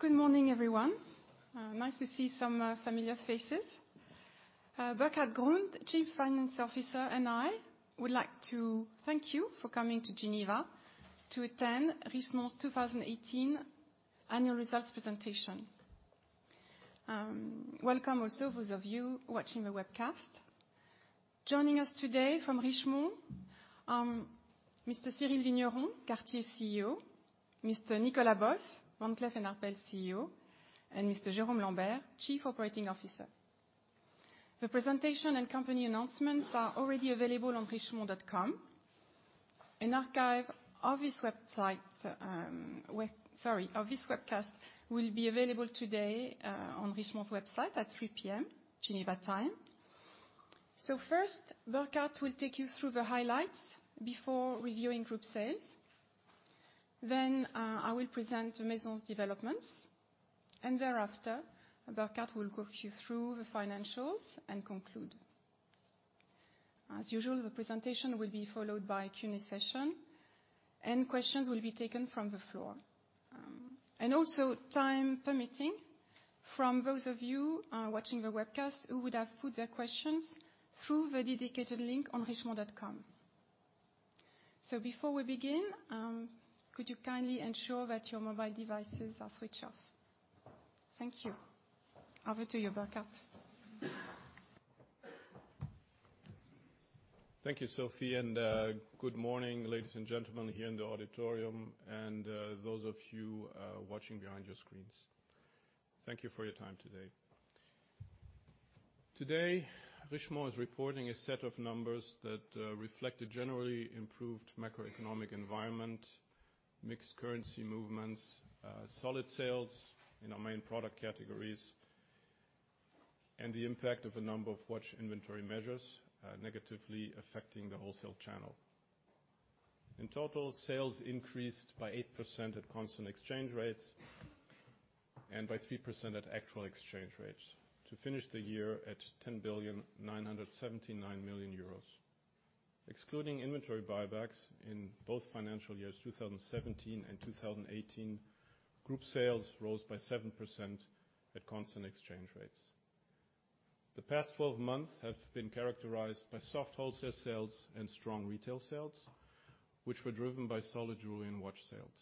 Good morning, everyone. Nice to see some familiar faces. Burkhart Grund, Chief Finance Officer, and I would like to thank you for coming to Geneva to attend Richemont's 2018 annual results presentation. Welcome also those of you watching the webcast. Joining us today from Richemont, Mr. Cyrille Vigneron, Cartier CEO, Mr. Nicolas Bos, Van Cleef & Arpels CEO, and Mr. Jérôme Lambert, Chief Operating Officer. The presentation and company announcements are already available on richemont.com. An archive of this webcast will be available today on Richemont's website at 3:00 P.M. Geneva time. First, Burkhart will take you through the highlights before reviewing group sales. I will present Maison's developments, and thereafter, Burkhart will walk you through the financials and conclude. As usual, the presentation will be followed by Q&A session, and questions will be taken from the floor. Also, time permitting, from those of you watching the webcast who would have put their questions through the dedicated link on richemont.com. Before we begin, could you kindly ensure that your mobile devices are switch off? Thank you. Over to you, Burkhart. Thank you, Sophie, good morning, ladies and gentlemen here in the auditorium, and those of you watching behind your screens. Thank you for your time today. Today, Richemont is reporting a set of numbers that reflect a generally improved macroeconomic environment, mixed currency movements, solid sales in our main product categories, and the impact of a number of watch inventory measures negatively affecting the wholesale channel. In total, sales increased by 8% at constant exchange rates and by 3% at actual exchange rates to finish the year at 10.979 billion. Excluding inventory buybacks in both financial years 2017 and 2018, group sales rose by 7% at constant exchange rates. The past 12 months have been characterized by soft wholesale sales and strong retail sales, which were driven by solid jewelry and watch sales.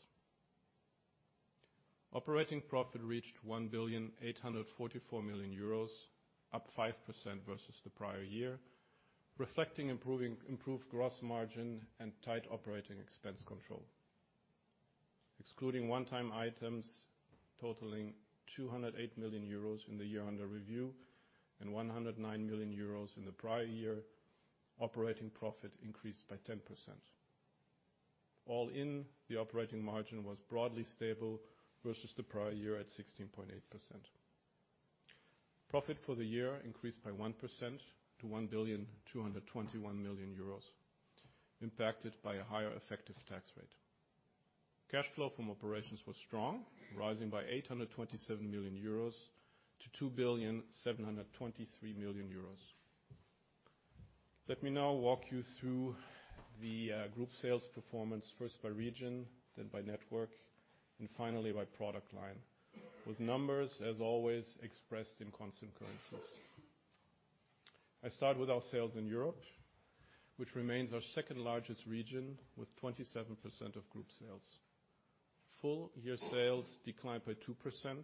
Operating profit reached 1.844 billion euros, up 5% versus the prior year, reflecting improved gross margin and tight operating expense control. Excluding one-time items totaling 208 million euros in the year under review and 109 million euros in the prior year, operating profit increased by 10%. All in, the operating margin was broadly stable versus the prior year at 16.8%. Profit for the year increased by 1% to 1.221 billion euros, impacted by a higher effective tax rate. Cash flow from operations was strong, rising by 827 million euros to 2.723 billion. Let me now walk you through the group sales performance, first by region, by network, and finally by product line. With numbers, as always, expressed in constant currencies. I start with our sales in Europe, which remains our second-largest region, with 27% of group sales. Full-year sales declined by 2%,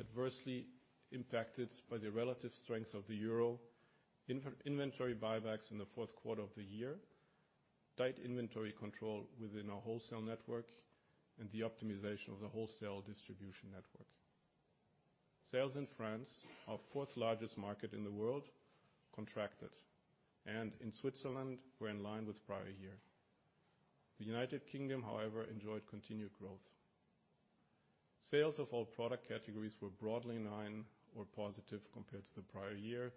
adversely impacted by the relative strength of the euro, inventory buybacks in the fourth quarter of the year, tight inventory control within our wholesale network, and the optimization of the wholesale distribution network. Sales in France, our fourth-largest market in the world, contracted, and in Switzerland were in line with prior year. The United Kingdom, however, enjoyed continued growth. Sales of all product categories were broadly in line or positive compared to the prior year,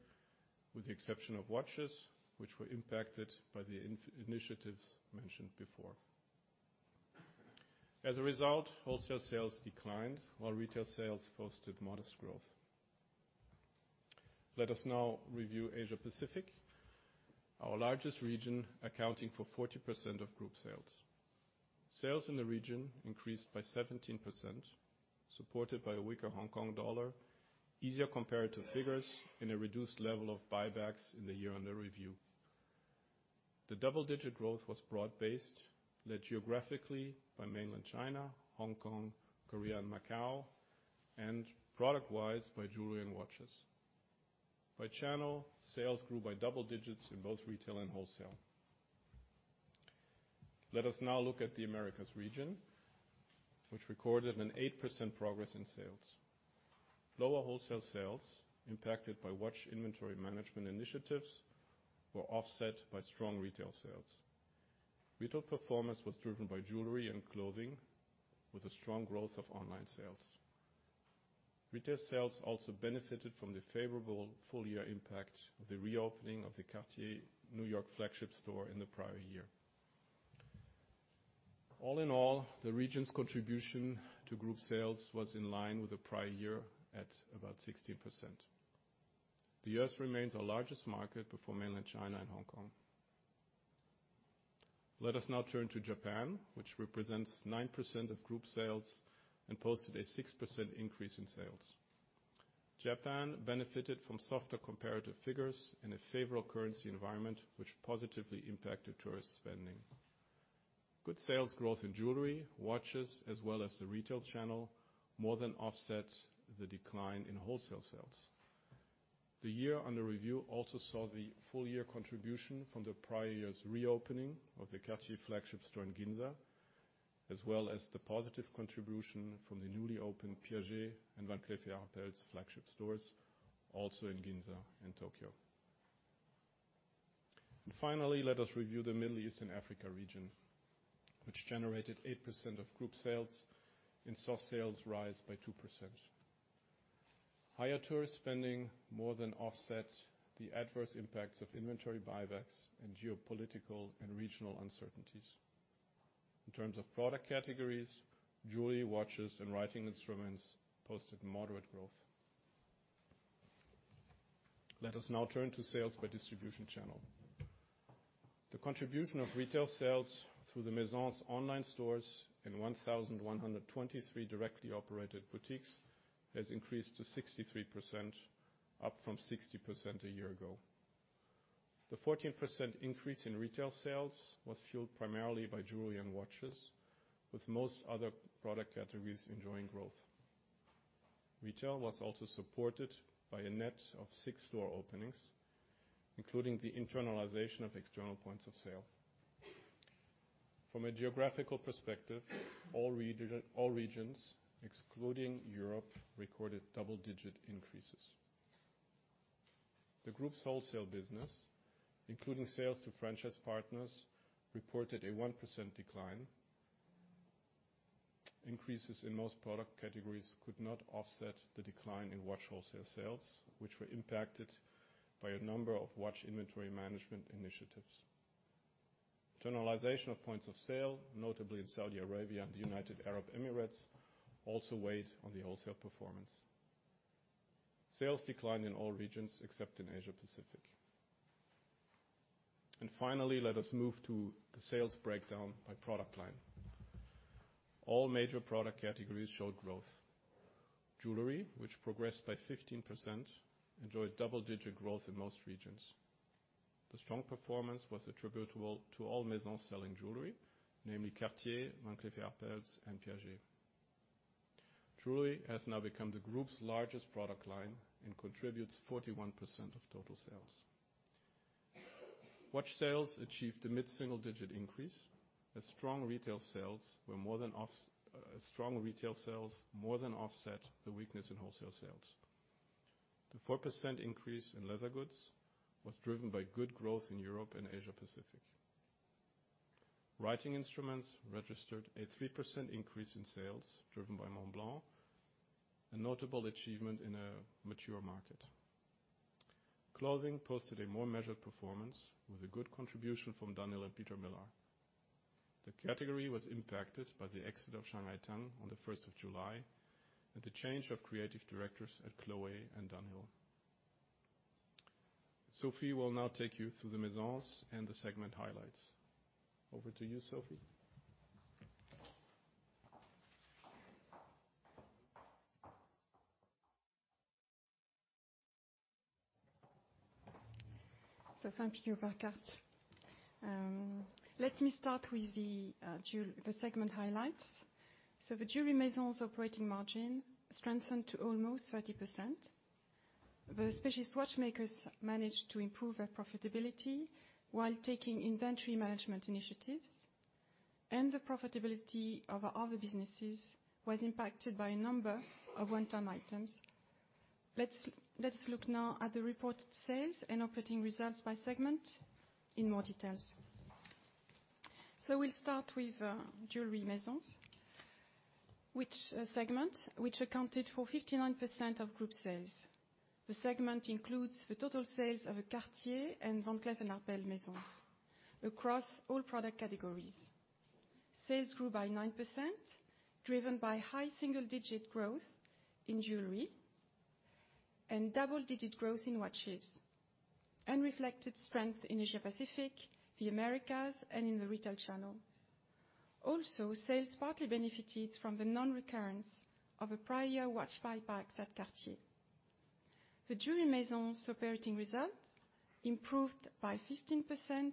with the exception of watches, which were impacted by the initiatives mentioned before. As a result, wholesale sales declined while retail sales posted modest growth. Let us now review Asia-Pacific, our largest region, accounting for 40% of group sales. Sales in the region increased by 17%, supported by a weaker Hong Kong dollar, easier comparative figures, and a reduced level of buybacks in the year under review. The double-digit growth was broad-based, led geographically by Mainland China, Hong Kong, Korea, and Macau, and product-wise by jewelry and watches. By channel, sales grew by double digits in both retail and wholesale. Let us now look at the Americas region, which recorded an 8% progress in sales. Lower wholesale sales impacted by watch inventory management initiatives were offset by strong retail sales. Retail performance was driven by jewelry and clothing, with a strong growth of online sales. Retail sales also benefited from the favorable full-year impact of the reopening of the Cartier New York flagship store in the prior year. All in all, the region's contribution to group sales was in line with the prior year at about 16%. The U.S. remains our largest market before Mainland China and Hong Kong. Let us now turn to Japan, which represents 9% of group sales and posted a 6% increase in sales. Japan benefited from softer comparative figures and a favorable currency environment, which positively impacted tourist spending. Good sales growth in jewelry, watches, as well as the retail channel, more than offset the decline in wholesale sales. The year under review also saw the full year contribution from the prior year's reopening of the Cartier flagship store in Ginza, as well as the positive contribution from the newly opened Piaget and Van Cleef & Arpels flagship stores, also in Ginza and Tokyo. Finally, let us review the Middle East and Africa region, which generated 8% of group sales and saw sales rise by 2%. Higher tourist spending more than offset the adverse impacts of inventory buybacks and geopolitical and regional uncertainties. In terms of product categories, jewelry, watches, and writing instruments posted moderate growth. Let us now turn to sales by distribution channel. The contribution of retail sales through the Maisons' online stores in 1,123 directly operated boutiques has increased to 63%, up from 60% a year ago. The 14% increase in retail sales was fueled primarily by jewelry and watches, with most other product categories enjoying growth. Retail was also supported by a net of six store openings, including the internalization of external points of sale. From a geographical perspective, all regions, excluding Europe, recorded double-digit increases. The group's wholesale business, including sales to franchise partners, reported a 1% decline. Increases in most product categories could not offset the decline in watch wholesale sales, which were impacted by a number of watch inventory management initiatives. Generalization of points of sale, notably in Saudi Arabia and the United Arab Emirates, also weighed on the wholesale performance. Sales declined in all regions except in Asia-Pacific. Finally, let us move to the sales breakdown by product line. All major product categories showed growth. Jewelry, which progressed by 15%, enjoyed double-digit growth in most regions. The strong performance was attributable to all Maisons selling jewelry, namely Cartier, Van Cleef & Arpels, and Piaget. Jewelry has now become the group's largest product line and contributes 41% of total sales. Watch sales achieved a mid-single-digit increase as strong retail sales more than offset the weakness in wholesale sales. The 4% increase in leather goods was driven by good growth in Europe and Asia-Pacific. Writing instruments registered a 3% increase in sales driven by Montblanc, a notable achievement in a mature market. Clothing posted a more measured performance with a good contribution from Dunhill and Peter Millar. The category was impacted by the exit of Shanghai Tang on the 1st of July and the change of creative directors at Chloé and Dunhill. Sophie will now take you through the Maisons and the segment highlights. Over to you, Sophie. Thank you, Burkhart. Let me start with the segment highlights. The Jewelry Maisons operating margin strengthened to almost 30%. The specialist watchmakers managed to improve their profitability while taking inventory management initiatives. The profitability of our other businesses was impacted by a number of one-time items. Let's look now at the reported sales and operating results by segment in more details. We'll start with Jewelry Maisons, which segment accounted for 59% of group sales. The segment includes the total sales of Cartier and Van Cleef & Arpels Maisons across all product categories. Sales grew by 9%, driven by high single-digit growth in jewelry and double-digit growth in watches, and reflected strength in Asia-Pacific, the Americas, and in the retail channel. Also, sales partly benefited from the non-recurrence of a prior year watch buyback at Cartier. The Jewelry Maisons operating results improved by 15%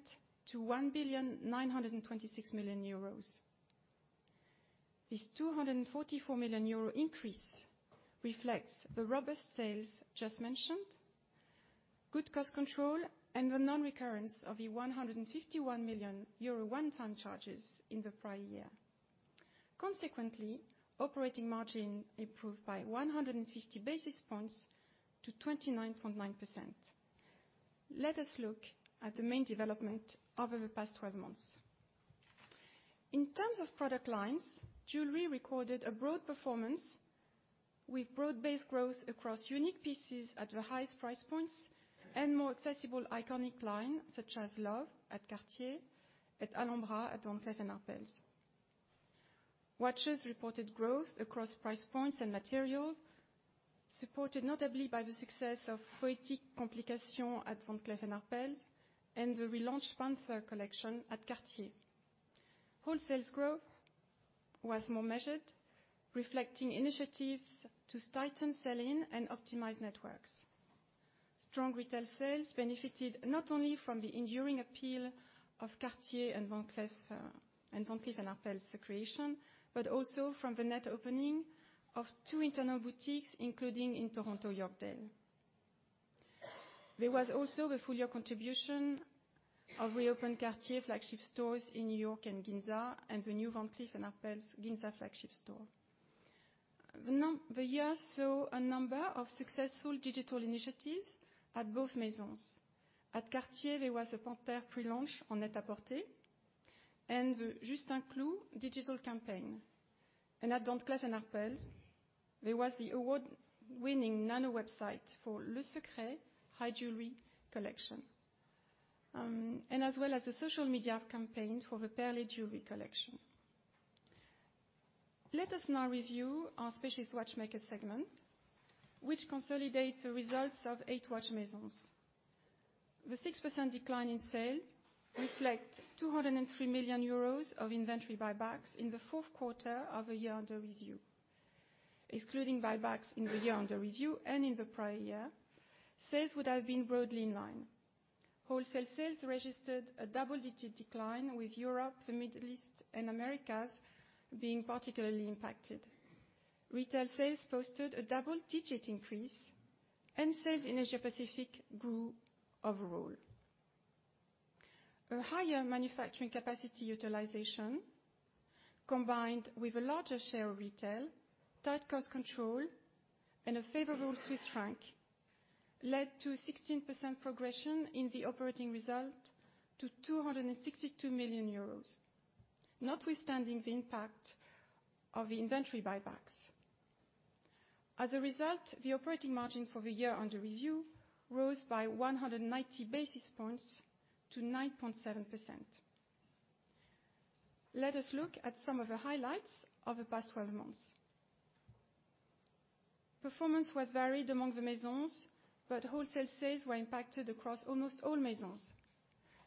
to 1,926 million euros. This 244 million euro increase reflects the robust sales just mentioned, good cost control, and the non-recurrence of the 151 million euro one-time charges in the prior year. Consequently, operating margin improved by 150 basis points to 29.9%. Let us look at the main development over the past 12 months. In terms of product lines, jewelry recorded a broad performance with broad-based growth across unique pieces at the highest price points and more accessible iconic line, such as Love at Cartier, Alhambra at Van Cleef & Arpels. Watches reported growth across price points and materials, supported notably by the success of Poetic Complications at Van Cleef & Arpels, and the relaunched Panthère collection at Cartier. Wholesale growth was more measured, reflecting initiatives to tighten sell-in and optimize networks. Strong retail sales benefited not only from the enduring appeal of Cartier and Van Cleef & Arpels creation, but also from the net opening of two internal boutiques, including in Toronto Yorkdale. There was also the full-year contribution of reopened Cartier flagship stores in New York and Ginza, and the new Van Cleef & Arpels Ginza flagship store. The year saw a number of successful digital initiatives at both Maisons. At Cartier, there was a Panthère pre-launch on Net-a-Porter and the Juste un Clou digital campaign. At Van Cleef & Arpels, there was the award-winning nano website for Le Secret High Jewelry collection, as well as the social media campaign for the Perlée jewelry collection. Let us now review our Specialist Watchmaker segment, which consolidates the results of eight watch Maisons. The 6% decline in sales reflect 203 million euros of inventory buybacks in the fourth quarter of the year under review. Excluding buybacks in the year under review and in the prior year, sales would have been broadly in line. Wholesale sales registered a double-digit decline, with Europe, the Middle East, and Americas being particularly impacted. Retail sales posted a double-digit increase, and sales in Asia-Pacific grew overall. A higher manufacturing capacity utilization, combined with a larger share of retail, tight cost control, and a favorable Swiss franc, led to 16% progression in the operating result to 262 million euros, notwithstanding the impact of the inventory buybacks. As a result, the operating margin for the year under review rose by 190 basis points to 9.7%. Let us look at some of the highlights of the past 12 months. Performance was varied among the Maisons, but wholesale sales were impacted across almost all Maisons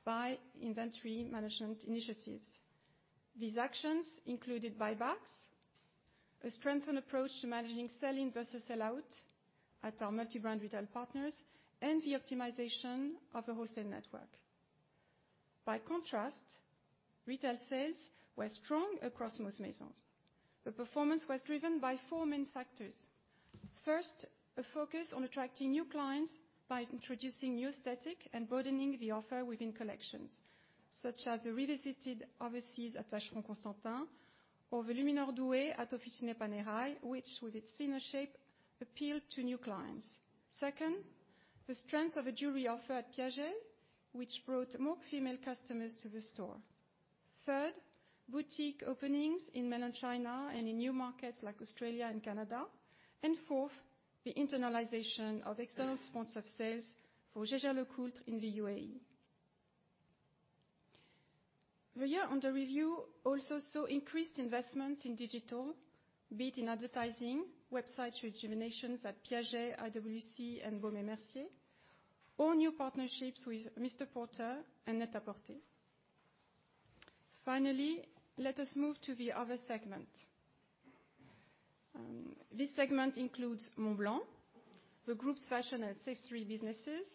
by inventory management initiatives. These actions included buybacks, a strengthened approach to managing sell-in versus sell-out at our multi-brand retail partners, and the optimization of the wholesale network. By contrast, retail sales were strong across most Maisons. The performance was driven by four main factors. First, a focus on attracting new clients by introducing new aesthetic and broadening the offer within collections, such as the revisited Overseas at Vacheron Constantin or the Luminor Due at Officine Panerai, which, with its thinner shape, appealed to new clients. Second, the strength of a jewelry offer at Piaget, which brought more female customers to the store. Third, boutique openings in Mainland China and in new markets like Australia and Canada. Fourth, the internalization of external points of sales for Jaeger-LeCoultre in the U.A.E. The year under review also saw increased investments in digital, be it in advertising, website rejuvenations at Piaget, IWC, and Baume & Mercier, or new partnerships with Mr Porter and Net-a-Porter. Finally, let us move to the other segment. This segment includes Montblanc, the group's fashion and accessory businesses,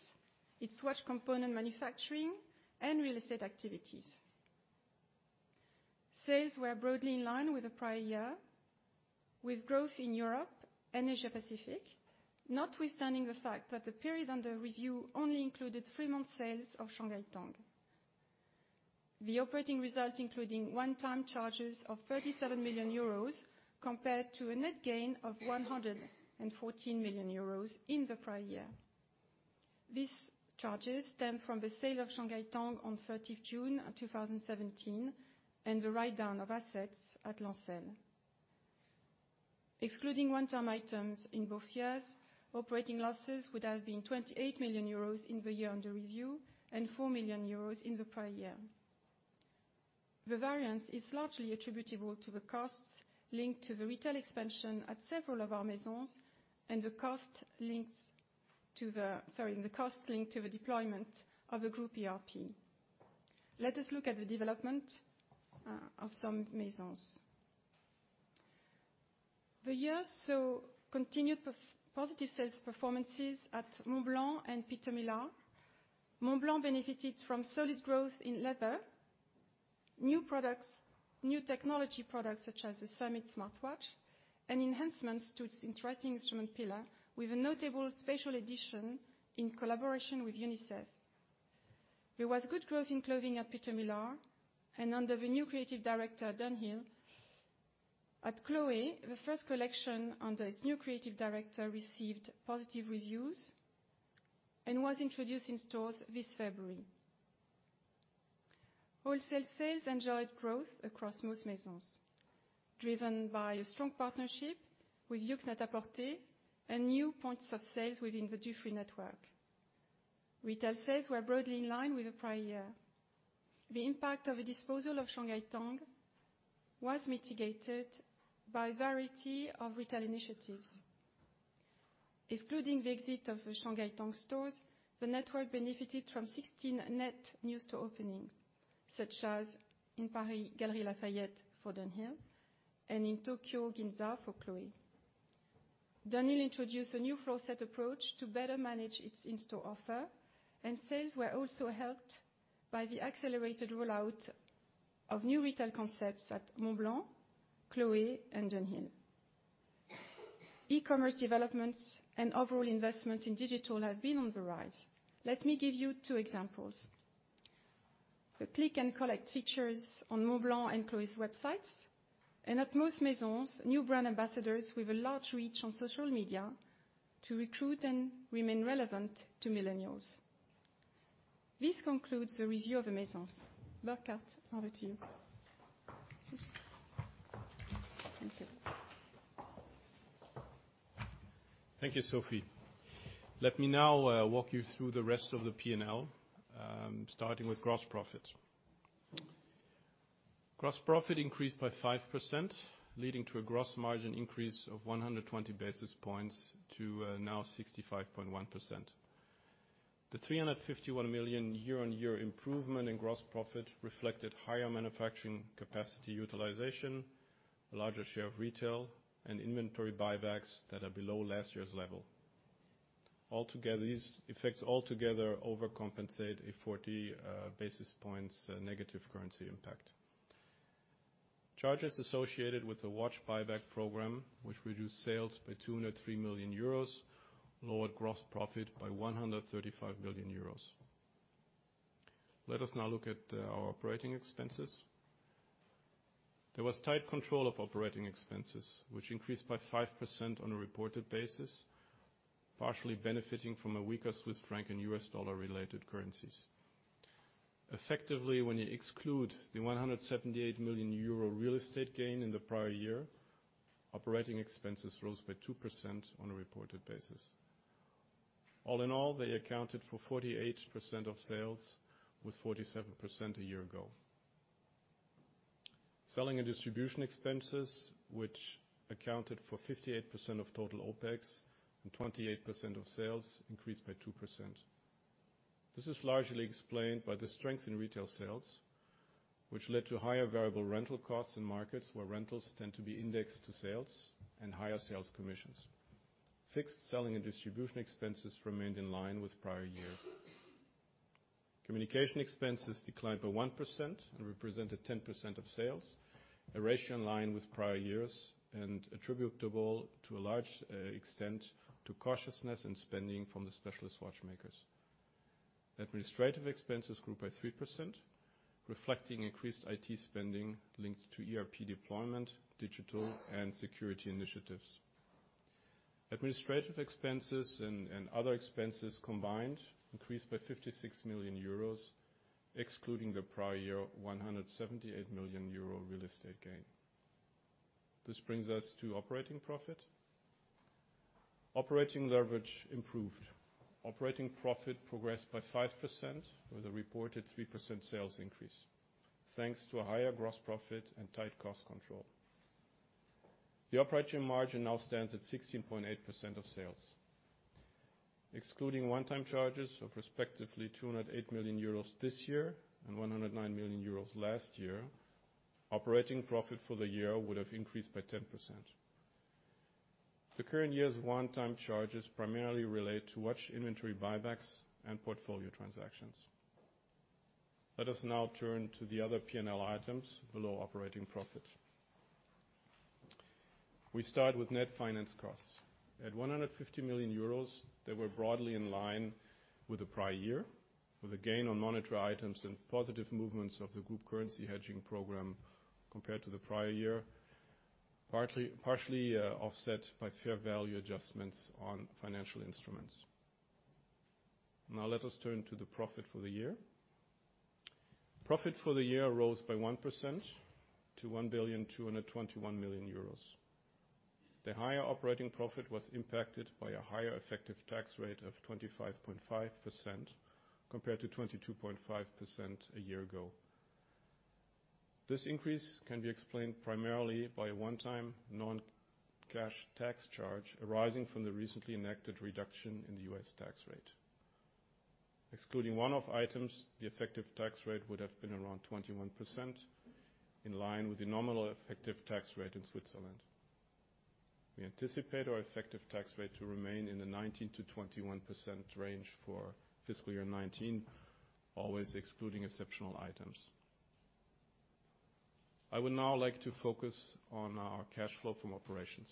its watch component manufacturing, and real estate activities. Sales were broadly in line with the prior year, with growth in Europe and Asia-Pacific, notwithstanding the fact that the period under review only included three months sales of Shanghai Tang. The operating result including one-time charges of 37 million euros compared to a net gain of 114 million euros in the prior year. These charges stem from the sale of Shanghai Tang on June 30, 2017, and the write-down of assets at Lancel. Excluding one-time items in both years, operating losses would have been 28 million euros in the year under review and 4 million euros in the prior year. The variance is largely attributable to the costs linked to the retail expansion at several of our Maisons, and the cost linked to the deployment of the group ERP. Let us look at the development of some Maisons. The year saw continued positive sales performances at Montblanc and Peter Millar. Montblanc benefited from solid growth in leather, new technology products such as the Summit smartwatch, and enhancements to its writing instrument pillar with a notable special edition in collaboration with UNICEF. There was good growth in clothing at Peter Millar and under the new creative director, Dunhill. At Chloé, the first collection under its new creative director received positive reviews and was introduced in stores this February. Wholesale sales enjoyed growth across most Maisons, driven by a strong partnership with Yoox NET-A-PORTER and new points of sales within the duty-free network. Retail sales were broadly in line with the prior year. The impact of the disposal of Shanghai Tang was mitigated by a variety of retail initiatives. Excluding the exit of the Shanghai Tang stores, the network benefited from 16 net new store openings, such as in Paris Galeries Lafayette for Dunhill, and in Tokyo Ginza for Chloé. Dunhill introduced a new floor set approach to better manage its in-store offer, and sales were also helped by the accelerated rollout of new retail concepts at Montblanc, Chloé, and Dunhill. E-commerce developments and overall investment in digital have been on the rise. Let me give you two examples. The click-and-collect features on Montblanc and Chloé's websites, and at most Maisons, new brand ambassadors with a large reach on social media to recruit and remain relevant to millennials. This concludes the review of the Maisons. Burkhart, over to you. Thank you. Thank you, Sophie. Let me now walk you through the rest of the P&L, starting with gross profit. Gross profit increased by 5%, leading to a gross margin increase of 120 basis points to now 65.1%. The 351 million year-on-year improvement in gross profit reflected higher manufacturing capacity utilization, a larger share of retail, and inventory buybacks that are below last year's level. These effects altogether overcompensate a 40 basis points negative currency impact. Charges associated with the watch buyback program, which reduced sales by 203 million euros, lowered gross profit by 135 million euros. Let us now look at our operating expenses. There was tight control of operating expenses, which increased by 5% on a reported basis, partially benefiting from a weaker Swiss franc and US dollar-related currencies. Effectively, when you exclude the 178 million euro real estate gain in the prior year, operating expenses rose by 2% on a reported basis. All in all, they accounted for 48% of sales, with 47% a year ago. Selling and distribution expenses, which accounted for 58% of total OpEx and 28% of sales, increased by 2%. This is largely explained by the strength in retail sales, which led to higher variable rental costs in markets where rentals tend to be indexed to sales and higher sales commissions. Fixed selling and distribution expenses remained in line with prior year. Communication expenses declined by 1% and represented 10% of sales, a ratio in line with prior years and attributable to a large extent to cautiousness in spending from the specialist watchmakers. Administrative expenses grew by 3%, reflecting increased IT spending linked to ERP deployment, digital, and security initiatives. Administrative expenses and other expenses combined increased by 56 million euros, excluding the prior year 178 million euro real estate gain. This brings us to operating profit. Operating leverage improved. Operating profit progressed by 5% with a reported 3% sales increase, thanks to a higher gross profit and tight cost control. The operating margin now stands at 16.8% of sales. Excluding one-time charges of respectively 208 million euros this year and 109 million euros last year, operating profit for the year would have increased by 10%. The current year's one-time charges primarily relate to watch inventory buybacks and portfolio transactions. Let us now turn to the other P&L items below operating profit. We start with net finance costs. At 150 million euros, they were broadly in line with the prior year with a gain on monetary items and positive movements of the group currency hedging program compared to the prior year, partially offset by fair value adjustments on financial instruments. Now let us turn to the profit for the year. Profit for the year rose by 1% to 1.221 billion euros. The higher operating profit was impacted by a higher effective tax rate of 25.5% compared to 22.5% a year ago. This increase can be explained primarily by a one-time non-cash tax charge arising from the recently enacted reduction in the U.S. tax rate. Excluding one-off items, the effective tax rate would have been around 21%, in line with the nominal effective tax rate in Switzerland. We anticipate our effective tax rate to remain in the 19%-21% range for fiscal year 2019, always excluding exceptional items. I would now like to focus on our cash flow from operations.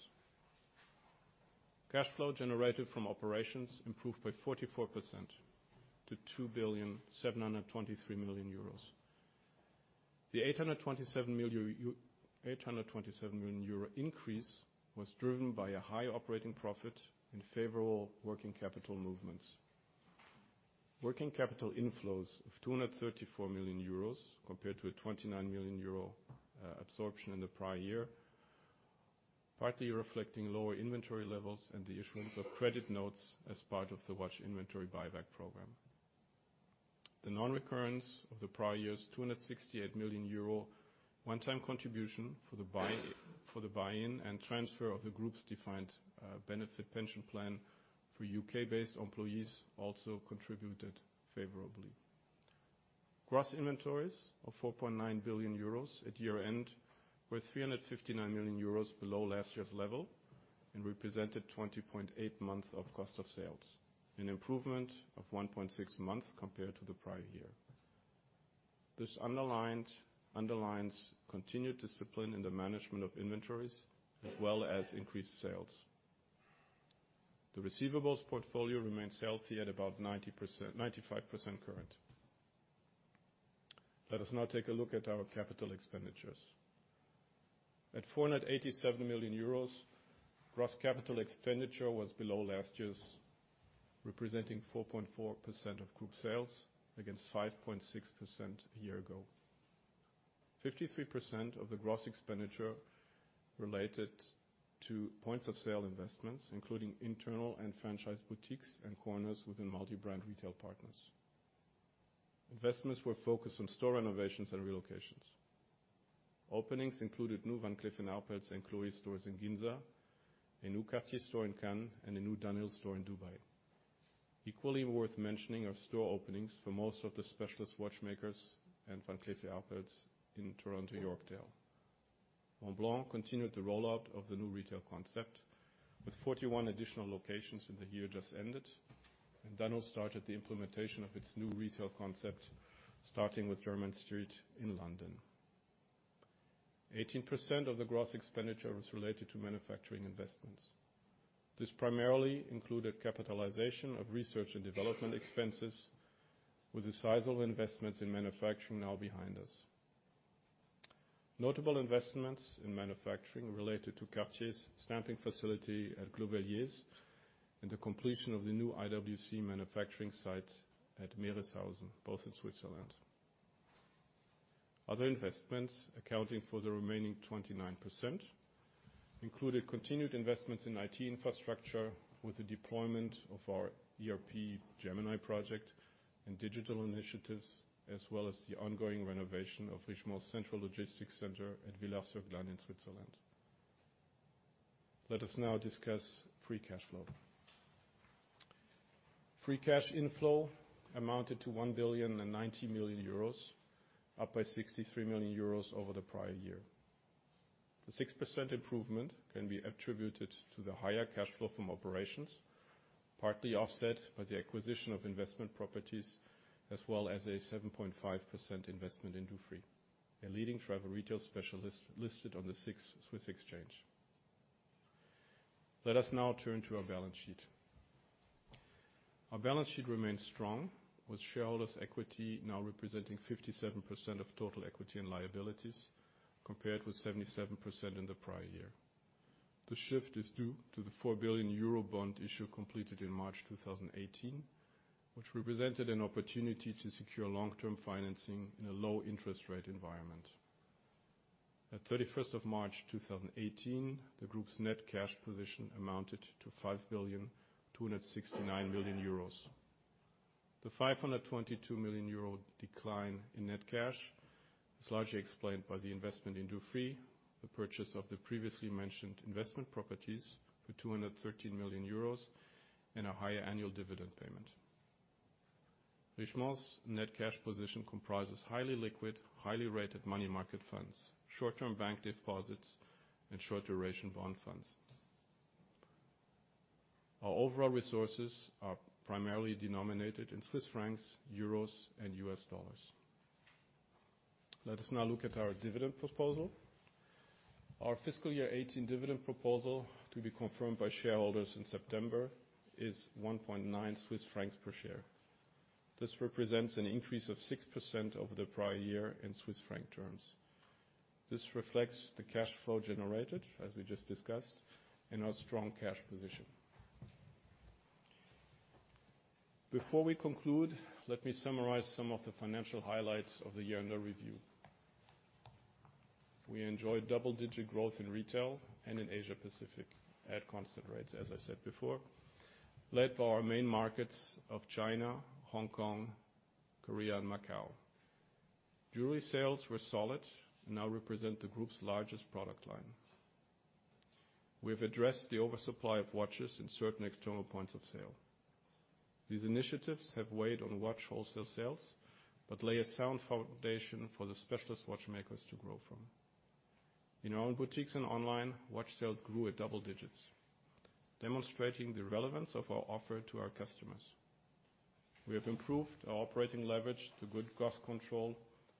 Cash flow generated from operations improved by 44% to 2.723 billion. The 827 million increase was driven by a high operating profit and favorable working capital movements. Working capital inflows of 234 million euros compared to a 29 million euro absorption in the prior year, partly reflecting lower inventory levels and the issuance of credit notes as part of the watch inventory buyback program. The non-recurrence of the prior year's 268 million euro one-time contribution for the buy-in and transfer of the group's defined benefit pension plan for U.K.-based employees also contributed favorably. Gross inventories of 4.9 billion euros at year-end were 359 million euros below last year's level and represented 20.8 months of cost of sales, an improvement of 1.6 months compared to the prior year. This underlines continued discipline in the management of inventories, as well as increased sales. The receivables portfolio remains healthy at about 95% current. Let us now take a look at our capital expenditures. At 487 million euros, gross capital expenditure was below last year's, representing 4.4% of group sales against 5.6% a year ago. 53% of the gross expenditure related to points of sale investments, including internal and franchise boutiques and corners within multi-brand retail partners. Investments were focused on store renovations and relocations. Openings included new Van Cleef & Arpels and Chloé stores in Ginza, a new Cartier store in Cannes, and a new Dunhill store in Dubai. Equally worth mentioning are store openings for most of the Specialist Watchmakers and Van Cleef & Arpels in Toronto Yorkdale. Montblanc continued the rollout of the new retail concept with 41 additional locations in the year just ended. Dunhill started the implementation of its new retail concept, starting with Jermyn Street in London. 18% of the gross expenditure was related to manufacturing investments. This primarily included capitalization of research and development expenses with the sizable investments in manufacturing now behind us. Notable investments in manufacturing related to Cartier's stamping facility at Glovelier and the completion of the new IWC manufacturing site at Merishausen, both in Switzerland. Other investments accounting for the remaining 29% included continued investments in IT infrastructure with the deployment of our ERP Gemini project and digital initiatives, as well as the ongoing renovation of Richemont Central Logistics Center at Villars-sur-Glâne in Switzerland. Let us now discuss free cash flow. Free cash inflow amounted to 1,090 million euros up by 63 million euros over the prior year. The 6% improvement can be attributed to the higher cash flow from operations, partly offset by the acquisition of investment properties, as well as a 7.5% investment in Dufry, a leading travel retail specialist listed on the Swiss Exchange. Let us now turn to our balance sheet. Our balance sheet remains strong, with shareholders' equity now representing 57% of total equity and liabilities, compared with 77% in the prior year. The shift is due to the 4 billion euro bond issue completed in March 2018, which represented an opportunity to secure long-term financing in a low-interest rate environment. At 31st of March 2018, the group's net cash position amounted to 5,269 million euros. The 522 million euro decline in net cash is largely explained by the investment in Dufry, the purchase of the previously mentioned investment properties for 213 million euros, and a higher annual dividend payment. Richemont's net cash position comprises highly liquid, highly rated money market funds, short-term bank deposits, and short-duration bond funds. Our overall resources are primarily denominated in Swiss francs, euros, and US dollars. Let us now look at our dividend proposal. Our fiscal year 2018 dividend proposal, to be confirmed by shareholders in September, is 1.9 Swiss francs per share. This represents an increase of 6% over the prior year in Swiss franc terms. This reflects the cash flow generated, as we just discussed, and our strong cash position. Before we conclude, let me summarize some of the financial highlights of the year under review. We enjoyed double-digit growth in retail and in Asia-Pacific at constant rates, as I said before, led by our main markets of China, Hong Kong, Korea, and Macau. Jewelry sales were solid and now represent the group's largest product line. We have addressed the oversupply of watches in certain external points of sale. These initiatives have weighed on watch wholesale sales, but lay a sound foundation for the Specialist Watchmakers to grow from. In our own boutiques and online, watch sales grew at double digits, demonstrating the relevance of our offer to our customers. We have improved our operating leverage through good cost control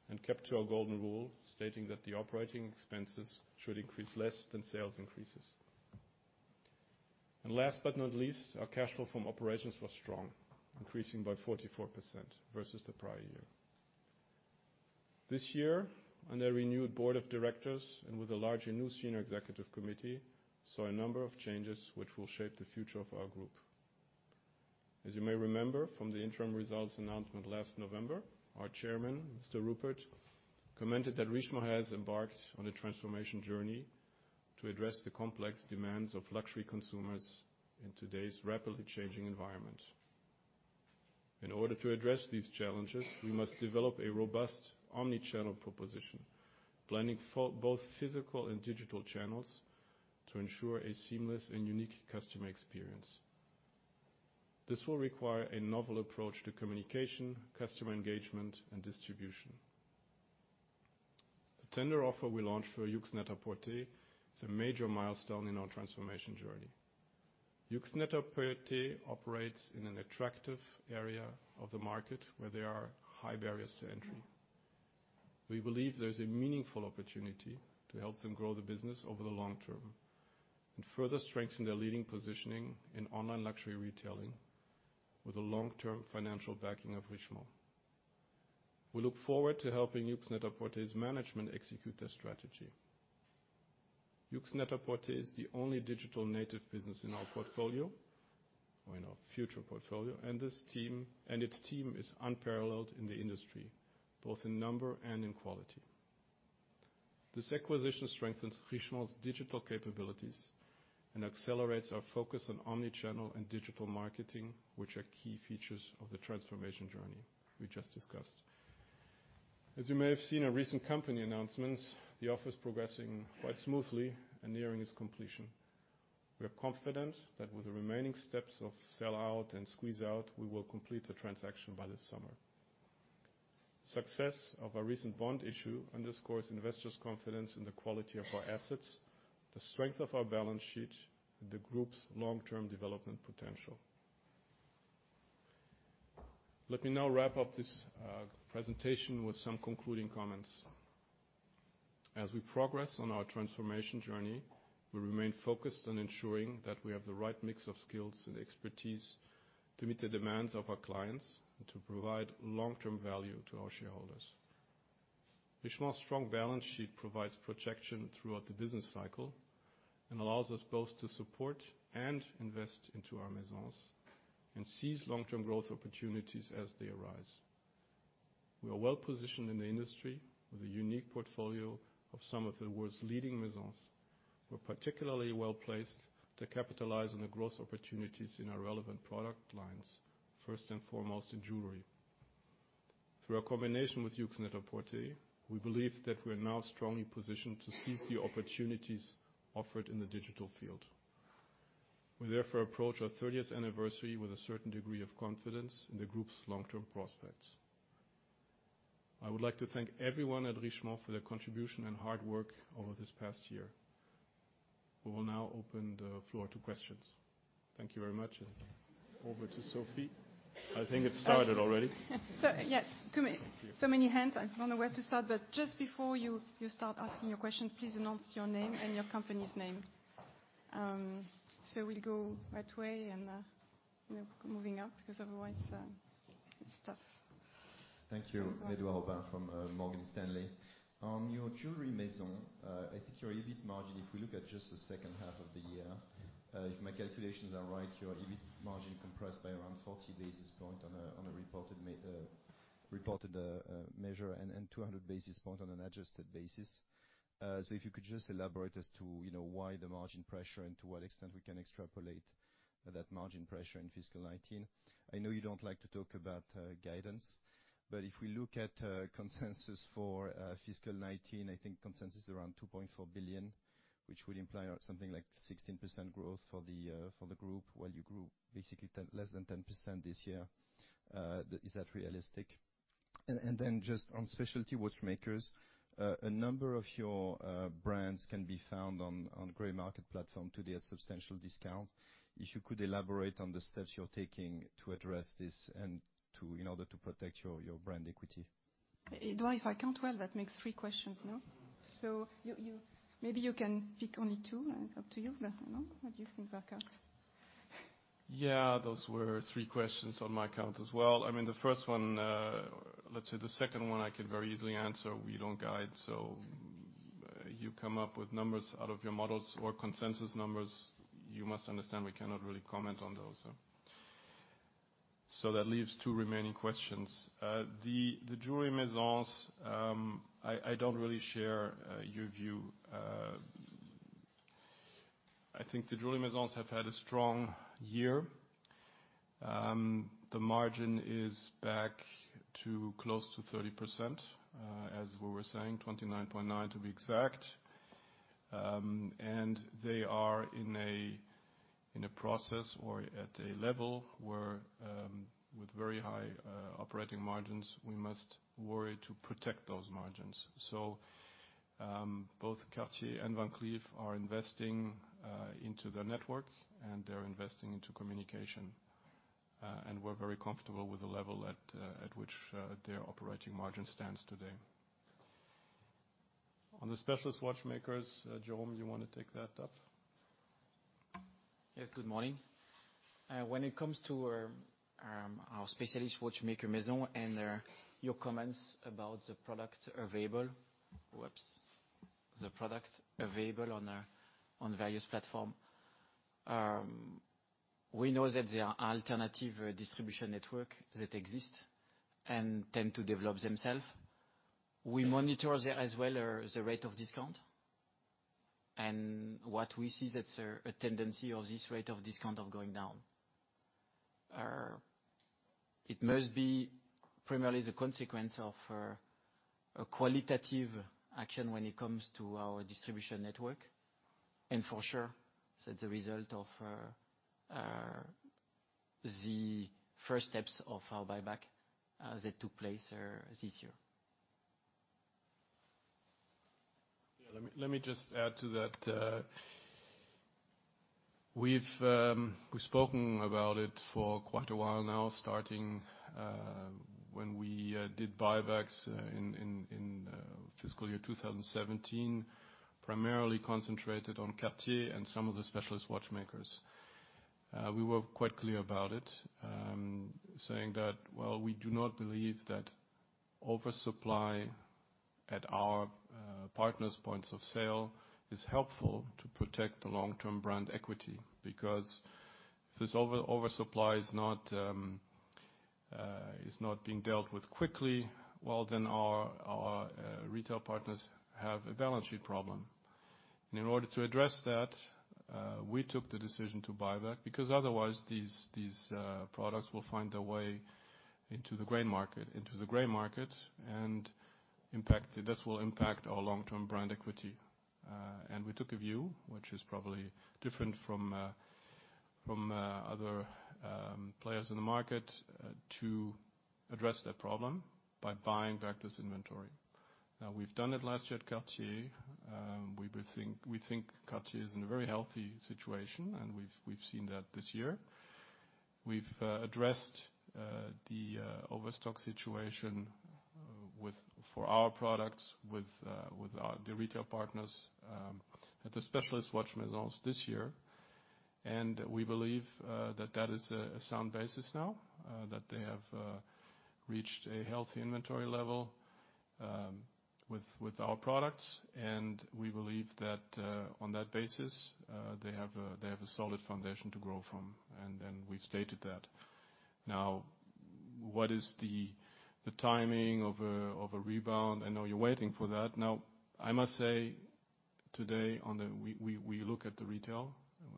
and kept to our golden rule, stating that the operating expenses should increase less than sales increases. Last but not least, our cash flow from operations was strong, increasing by 44% versus the prior year. This year, under a renewed board of directors and with a larger, new senior executive committee, saw a number of changes which will shape the future of our group. As you may remember from the interim results announcement last November, our Chairman, Mr. Rupert, commented that Richemont has embarked on a transformation journey to address the complex demands of luxury consumers in today's rapidly changing environment. In order to address these challenges, we must develop a robust omni-channel proposition, planning for both physical and digital channels to ensure a seamless and unique customer experience. This will require a novel approach to communication, customer engagement, and distribution. The tender offer we launched for Yoox NET-A-PORTER is a major milestone in our transformation journey. Yoox NET-A-PORTER operates in an attractive area of the market where there are high barriers to entry. We believe there's a meaningful opportunity to help them grow the business over the long term and further strengthen their leading positioning in online luxury retailing with the long-term financial backing of Richemont. We look forward to helping Yoox NET-A-PORTER's management execute their strategy. Yoox NET-A-PORTER is the only digital native business in our portfolio, or in our future portfolio, and its team is unparalleled in the industry, both in number and in quality. This acquisition strengthens Richemont's digital capabilities and accelerates our focus on omni-channel and digital marketing, which are key features of the transformation journey we just discussed. As you may have seen in recent company announcements, the offer is progressing quite smoothly and nearing its completion. We are confident that with the remaining steps of sellout and squeeze out, we will complete the transaction by this summer. Success of our recent bond issue underscores investors' confidence in the quality of our assets, the strength of our balance sheet, and the group's long-term development potential. Let me now wrap up this presentation with some concluding comments. As we progress on our transformation journey, we remain focused on ensuring that we have the right mix of skills and expertise to meet the demands of our clients and to provide long-term value to our shareholders. Richemont's strong balance sheet provides protection throughout the business cycle and allows us both to support and invest into our Maisons and seize long-term growth opportunities as they arise. We are well positioned in the industry with a unique portfolio of some of the world's leading Maisons. We're particularly well-placed to capitalize on the growth opportunities in our relevant product lines, first and foremost in jewelry. Through our combination with Yoox NET-A-PORTER, we believe that we are now strongly positioned to seize the opportunities offered in the digital field. We therefore approach our 30th anniversary with a certain degree of confidence in the group's long-term prospects. I would like to thank everyone at Richemont for their contribution and hard work over this past year. We will now open the floor to questions. Thank you very much. Over to Sophie. I think it's started already. Yes. Many hands, I don't know where to start. Just before you start asking your question, please announce your name and your company's name. We'll go that way and moving up, because otherwise it's tough. Thank you. Edouard Aubin from Morgan Stanley. On your Jewelry Maison, I think your EBIT margin, if we look at just the second half of the year, if my calculations are right, your EBIT margin compressed by around 40 basis point on a reported measure and 200 basis point on an adjusted basis. If you could just elaborate as to why the margin pressure and to what extent we can extrapolate that margin pressure in fiscal 2019. I know you don't like to talk about guidance, if we look at consensus for fiscal 2019, I think consensus is around 2.4 billion, which would imply something like 16% growth for the group while you grew basically less than 10% this year. Is that realistic? Then just on specialty watchmakers, a number of your brands can be found on gray market platform today at substantial discounts. If you could elaborate on the steps you're taking to address this in order to protect your brand equity. Edouard, if I count well, that makes three questions, no? Maybe you can pick only two. Up to you. What do you think, Burkhart? Those were three questions on my count as well. I mean, the first one, let's say the second one I could very easily answer. We don't guide, you come up with numbers out of your models or consensus numbers. You must understand we cannot really comment on those. That leaves two remaining questions. The Jewelry Maisons, I don't really share your view. I think the Jewelry Maisons have had a strong year. The margin is back to close to 30%, as we were saying, 29.9% to be exact. They are in a process or at a level where with very high operating margins, we must worry to protect those margins. Both Cartier and Van Cleef are investing into their network and they're investing into communication. We're very comfortable with the level at which their operating margin stands today. On the Specialist Watchmakers, Jérôme, you want to take that up? Yes, good morning. When it comes to our Specialist Watchmaker Maisons and your comments about the product available on various platform. We know that there are alternative distribution network that exist, tend to develop themselves. We monitor there as well, the rate of discount. What we see that a tendency of this rate of discount of going down. It must be primarily the consequence of a qualitative action when it comes to our distribution network. For sure, it's the result of the first steps of our buyback that took place this year. Yeah, let me just add to that. We've spoken about it for quite a while now, starting when we did buybacks in fiscal year 2017, primarily concentrated on Cartier and some of the specialist watchmakers. We were quite clear about it, saying that while we do not believe that oversupply at our partners' points of sale is helpful to protect the long-term brand equity. If this oversupply is not being dealt with quickly, well then our retail partners have a balance sheet problem. In order to address that, we took the decision to buy back, because otherwise these products will find their way into the gray market, and this will impact our long-term brand equity. We took a view, which is probably different from other players in the market, to address that problem by buying back this inventory. We've done it last year at Cartier. We think Cartier is in a very healthy situation, we've seen that this year. We've addressed the overstock situation for our products with the retail partners at the specialist watch maisons this year, we believe that that is a sound basis now. That they have reached a healthy inventory level with our products. We believe that on that basis, they have a solid foundation to grow from. We've stated that. What is the timing of a rebound? I know you're waiting for that. I must say, today, we look at the retail,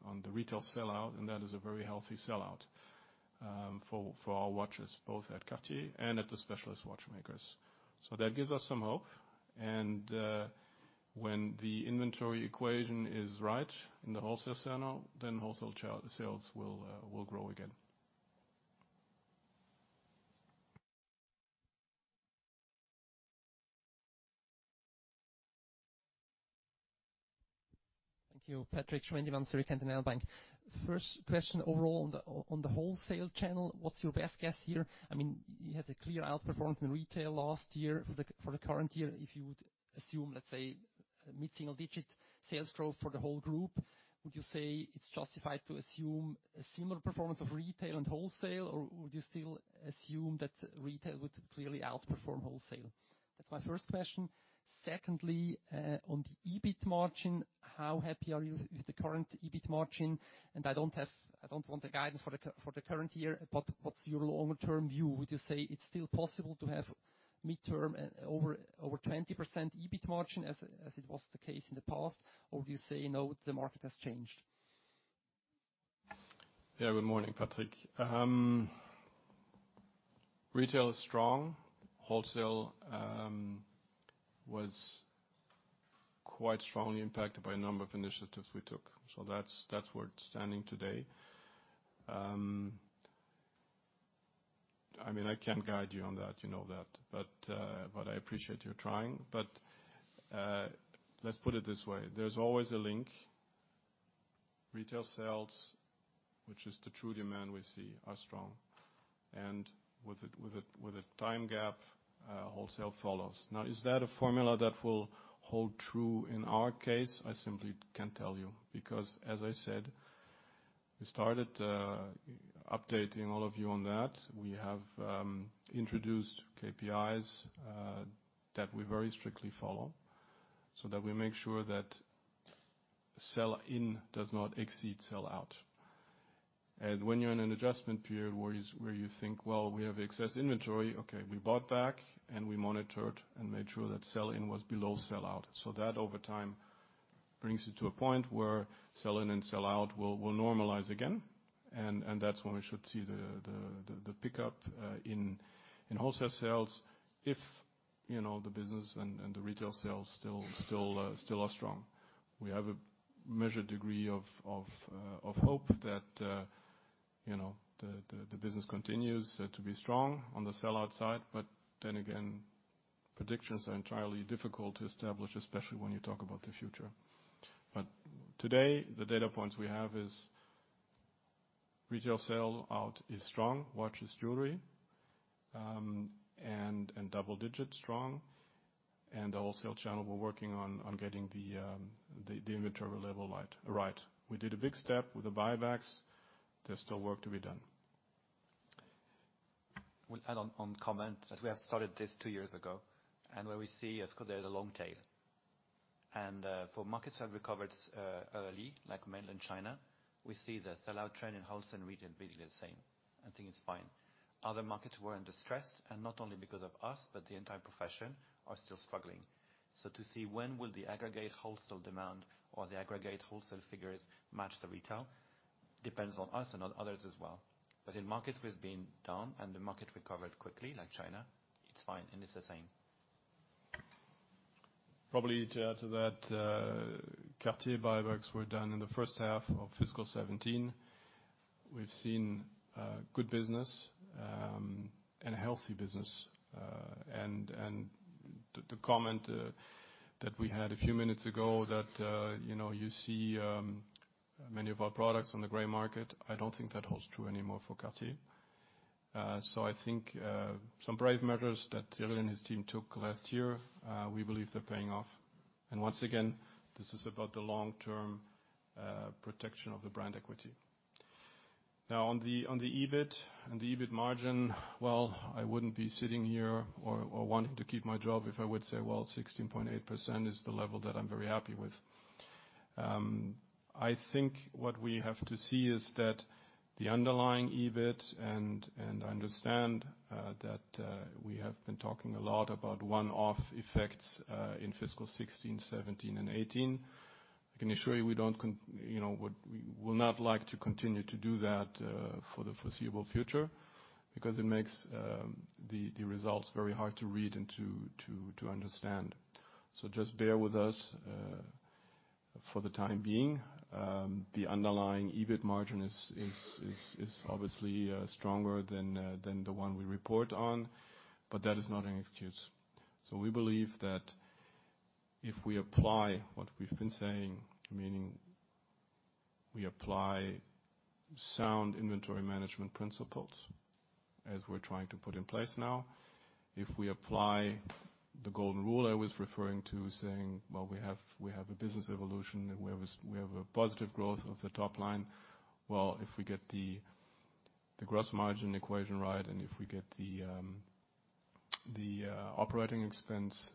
on the retail sell-out, and that is a very healthy sell-out for our watches, both at Cartier and at the Specialist Watchmakers. That gives us some hope. When the inventory equation is right in the wholesale channel, then wholesale sales will grow again. Thank you, Patrick Schwendimann. Svend Haugum, Sarasin & Partners. First question overall on the wholesale channel, what's your best guess here? You had a clear outperformance in retail last year. For the current year, if you would assume, let's say, a mid-single-digit sales growth for the whole group, would you say it's justified to assume a similar performance of retail and wholesale? Or would you still assume that retail would clearly outperform wholesale? That's my first question. Secondly, on the EBIT margin, how happy are you with the current EBIT margin? I don't want a guidance for the current year, but what's your longer term view? Would you say it's still possible to have midterm over 20% EBIT margin as it was the case in the past? Or would you say, no, the market has changed? Good morning, Patrick. Retail is strong. Wholesale was quite strongly impacted by a number of initiatives we took. That's where it's standing today. I can't guide you on that, you know that. I appreciate you trying. Let's put it this way. There's always a link. Retail sales, which is the true demand we see, are strong. With a time gap, wholesale follows. Is that a formula that will hold true in our case? I simply can't tell you because as I said, we started updating all of you on that. We have introduced KPIs that we very strictly follow so that we make sure that sell-in does not exceed sell-out. When you're in an adjustment period where you think, well, we have excess inventory, okay, we bought back, and we monitored and made sure that sell-in was below sell-out. That over time brings you to a point where sell-in and sell-out will normalize again, and that's when we should see the pickup in wholesale sales if the business and the retail sales still are strong. We have a measured degree of hope that the business continues to be strong on the sell-out side. Again, predictions are entirely difficult to establish, especially when you talk about the future. Today, the data points we have is retail sell-out is strong, watches, jewelry, and double-digit strong. The wholesale channel, we're working on getting the inventory level right. We did a big step with the buybacks. There's still work to be done Will add on comment that we have started this two years ago, and where we see it's got there the long tail. For markets that recovered early, like Mainland China, we see the sell-out trend in wholesale and retail visually the same. I think it's fine. Other markets were under stress, and not only because of us, but the entire profession are still struggling. To see when will the aggregate wholesale demand or the aggregate wholesale figures match the retail depends on us and on others as well. In markets which been down and the market recovered quickly, like China, it's fine and it's the same. Probably to add to that, Cartier buybacks were done in the first half of fiscal 2017. We've seen good business, and a healthy business. The comment that we had a few minutes ago that you see many of our products on the gray market, I don't think that holds true anymore for Cartier. I think some brave measures that Thierry and his team took last year, we believe they're paying off. Once again, this is about the long-term protection of the brand equity. Now on the EBIT and the EBIT margin, well, I wouldn't be sitting here or wanting to keep my job if I would say, well, 16.8% is the level that I'm very happy with. I think what we have to see is that the underlying EBIT, I understand that we have been talking a lot about one-off effects in fiscal 2016, 2017, and 2018. I can assure you we would not like to continue to do that for the foreseeable future, because it makes the results very hard to read and to understand. Just bear with us for the time being. The underlying EBIT margin is obviously stronger than the one we report on, that is not an excuse. We believe that if we apply what we've been saying, meaning we apply sound inventory management principles as we're trying to put in place now, if we apply the golden rule I was referring to saying, well, we have a business evolution where we have a positive growth of the top line. Well, if we get the gross margin equation right, if we get the operating expense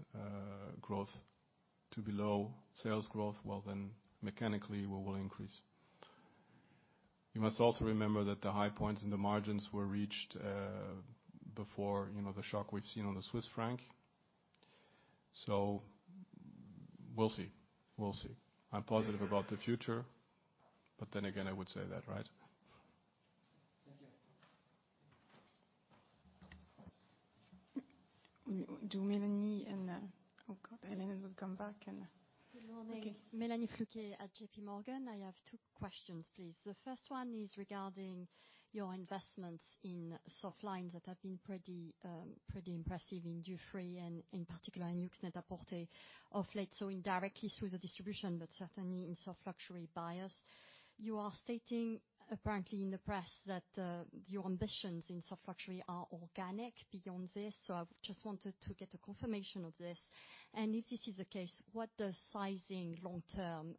growth to be low sales growth, well, mechanically we will increase. You must also remember that the high points in the margins were reached before the shock we've seen on the Swiss franc. We'll see. I'm positive about the future, but then again, I would say that, right? Thank you. Do Mélanie and Oh, God, Hélène will come back. Good morning. Okay. Mélanie Flouquet at JP Morgan. I have two questions, please. The first one is regarding your investments in soft lines that have been pretty impressive in duty free and, in particular, in Yoox NET-A-PORTER of late. Indirectly through the distribution, but certainly in soft luxury buyers. You are stating, apparently in the press, that your ambitions in soft luxury are organic beyond this, so I just wanted to get a confirmation of this. If this is the case, what does sizing long-term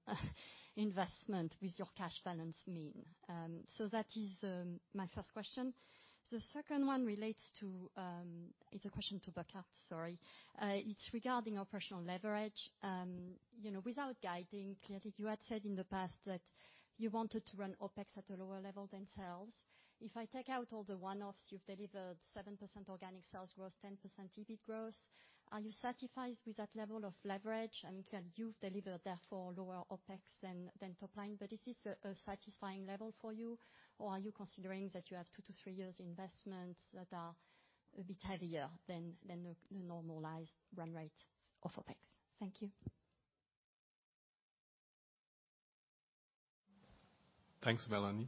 investment with your cash balance mean? That is my first question. The second one relates to, it's a question to Burkhart, sorry. It's regarding operational leverage. Without guiding, clearly you had said in the past that you wanted to run OpEx at a lower level than sales. If I take out all the one-offs, you've delivered 7% organic sales growth, 10% EBIT growth. Are you satisfied with that level of leverage? Can you deliver therefore lower OpEx than top line? Is this a satisfying level for you, or are you considering that you have two to three years investments that are a bit heavier than the normalized run rate of OpEx? Thank you. Thanks, Mélanie.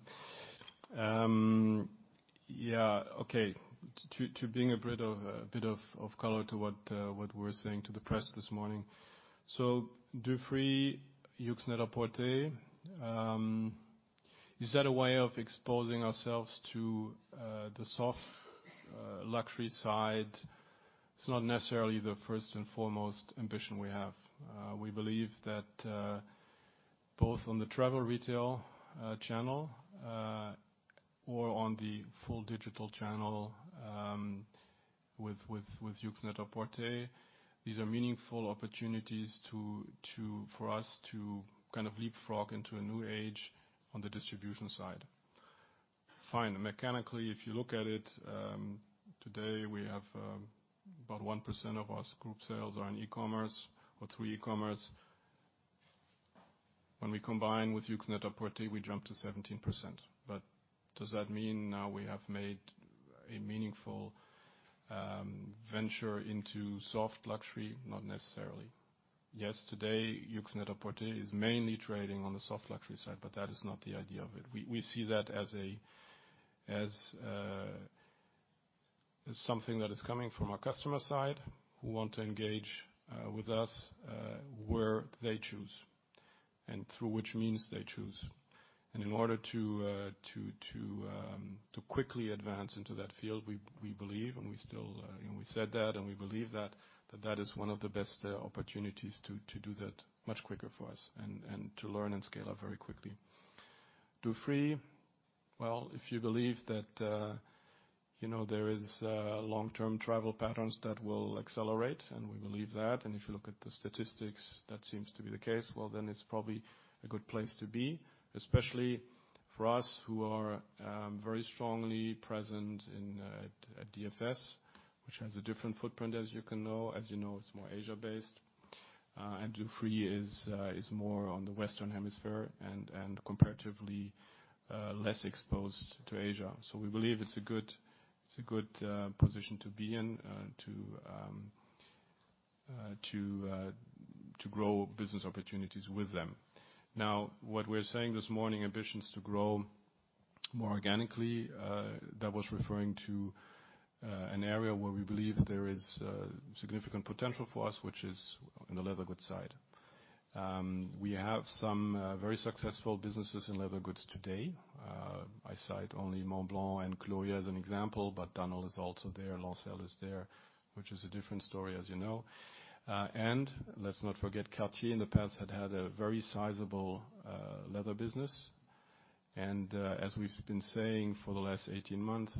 To bring a bit of color to what we're saying to the press this morning. Duty free, Yoox NET-A-PORTER, is that a way of exposing ourselves to the soft luxury side? It's not necessarily the first and foremost ambition we have. We believe that both on the travel retail channel or on the full digital channel with Yoox NET-A-PORTER, these are meaningful opportunities for us to leapfrog into a new age on the distribution side. Fine. Mechanically, if you look at it, today we have about 1% of our group sales are on e-commerce or through e-commerce. When we combine with Yoox NET-A-PORTER, we jump to 17%. Does that mean now we have made a meaningful venture into soft luxury? Not necessarily. Yes, today, Yoox NET-A-PORTER is mainly trading on the soft luxury side, but that is not the idea of it. We see that as something that is coming from our customer side, who want to engage with us where they choose and through which means they choose. In order to quickly advance into that field, we believe and We said that, and we believe that that is one of the best opportunities to do that much quicker for us and to learn and scale up very quickly. Dufry, if you believe that there is long-term travel patterns that will accelerate, and we believe that, and if you look at the statistics, that seems to be the case. Then it's probably a good place to be, especially for us who are very strongly present at DFS, which has a different footprint, as you can know. As you know, it's more Asia-based. Dufry is more on the Western Hemisphere and comparatively less exposed to Asia. We believe it's a good position to be in to grow business opportunities with them. What we're saying this morning, ambitions to grow more organically, that was referring to an area where we believe there is significant potential for us, which is in the leather goods side. We have some very successful businesses in leather goods today. I cite only Montblanc and Chloé as an example, but Dunhill is also there, Lancel is there, which is a different story as you know. Let's not forget, Cartier in the past had had a very sizable leather business. As we've been saying for the last 18 months,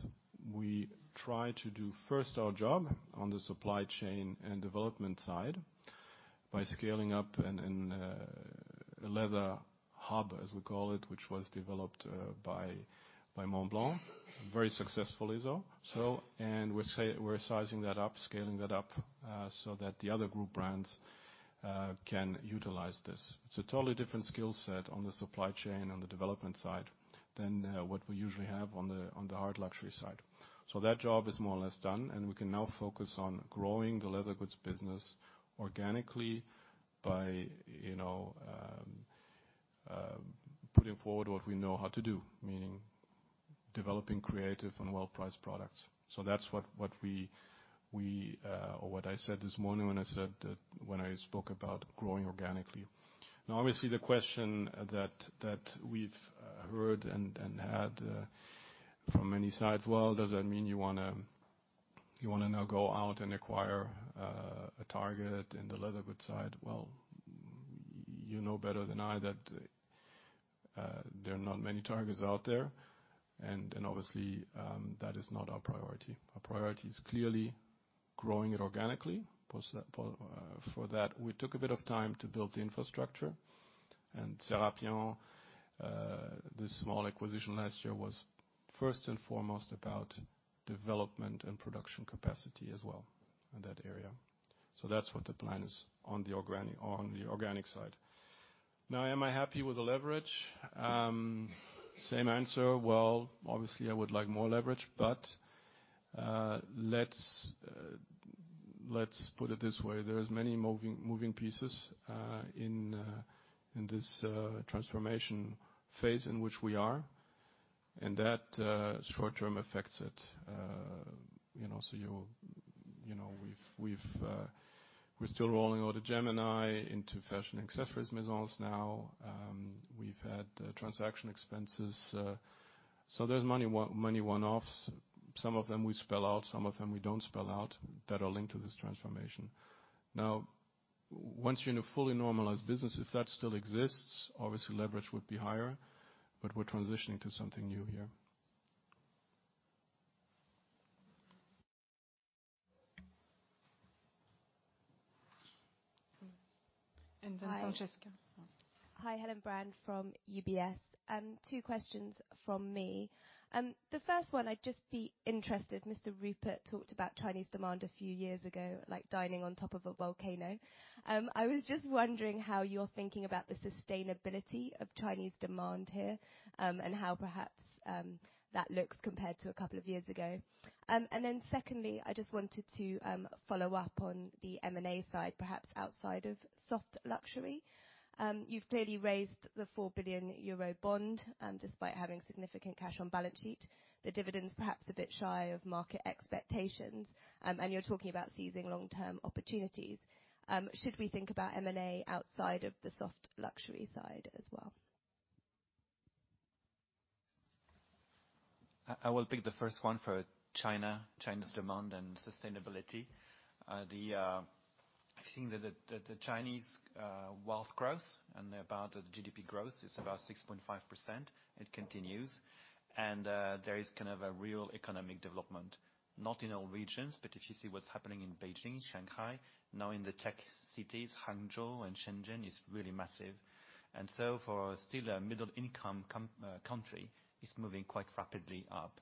we try to do first our job on the supply chain and development side by scaling up a leather hub, as we call it, which was developed by Montblanc, very successfully so. We're sizing that up, scaling that up so that the other group brands can utilize this. It's a totally different skill set on the supply chain and the development side than what we usually have on the hard luxury side. That job is more or less done, and we can now focus on growing the leather goods business organically by putting forward what we know how to do, meaning developing creative and well-priced products. That's what I said this morning when I spoke about growing organically. Obviously, the question that we've heard and had from many sides, well, does that mean you want to now go out and acquire a target in the leather goods side? Well, you know better than I that there are not many targets out there. Obviously, that is not our priority. Our priority is clearly growing it organically. For that, we took a bit of time to build the infrastructure. Serapian, this small acquisition last year, was first and foremost about development and production capacity as well in that area. That's what the plan is on the organic side. Am I happy with the leverage? Same answer. Obviously I would like more leverage, but let's put it this way. There's many moving pieces in this transformation phase in which we are, and that short-term affects it. We're still rolling out the Gemini into Fashion & Accessories Maisons now. We've had transaction expenses. There's many one-offs. Some of them we spell out, some of them we don't spell out that are linked to this transformation. Once you're in a fully normalized business, if that still exists, obviously leverage would be higher, but we're transitioning to something new here. Francesca. Hi, Helen Brand from UBS. Two questions from me. The first one, I'd just be interested, Mr. Rupert talked about Chinese demand a few years ago, like dining on top of a volcano. I was just wondering how you're thinking about the sustainability of Chinese demand here, and how perhaps that looks compared to a couple of years ago. Secondly, I just wanted to follow up on the M&A side, perhaps outside of soft luxury. You've clearly raised the €4 billion bond, despite having significant cash on balance sheet. The dividend's perhaps a bit shy of market expectations. You're talking about seizing long-term opportunities. Should we think about M&A outside of the soft luxury side as well? I will pick the first one for China's demand and sustainability. I think that the Chinese wealth growth and about the GDP growth is about 6.5%. It continues. There is kind of a real economic development, not in all regions, but if you see what's happening in Beijing, Shanghai, now in the tech cities, Hangzhou and Shenzhen, is really massive. For still a middle-income country, it's moving quite rapidly up.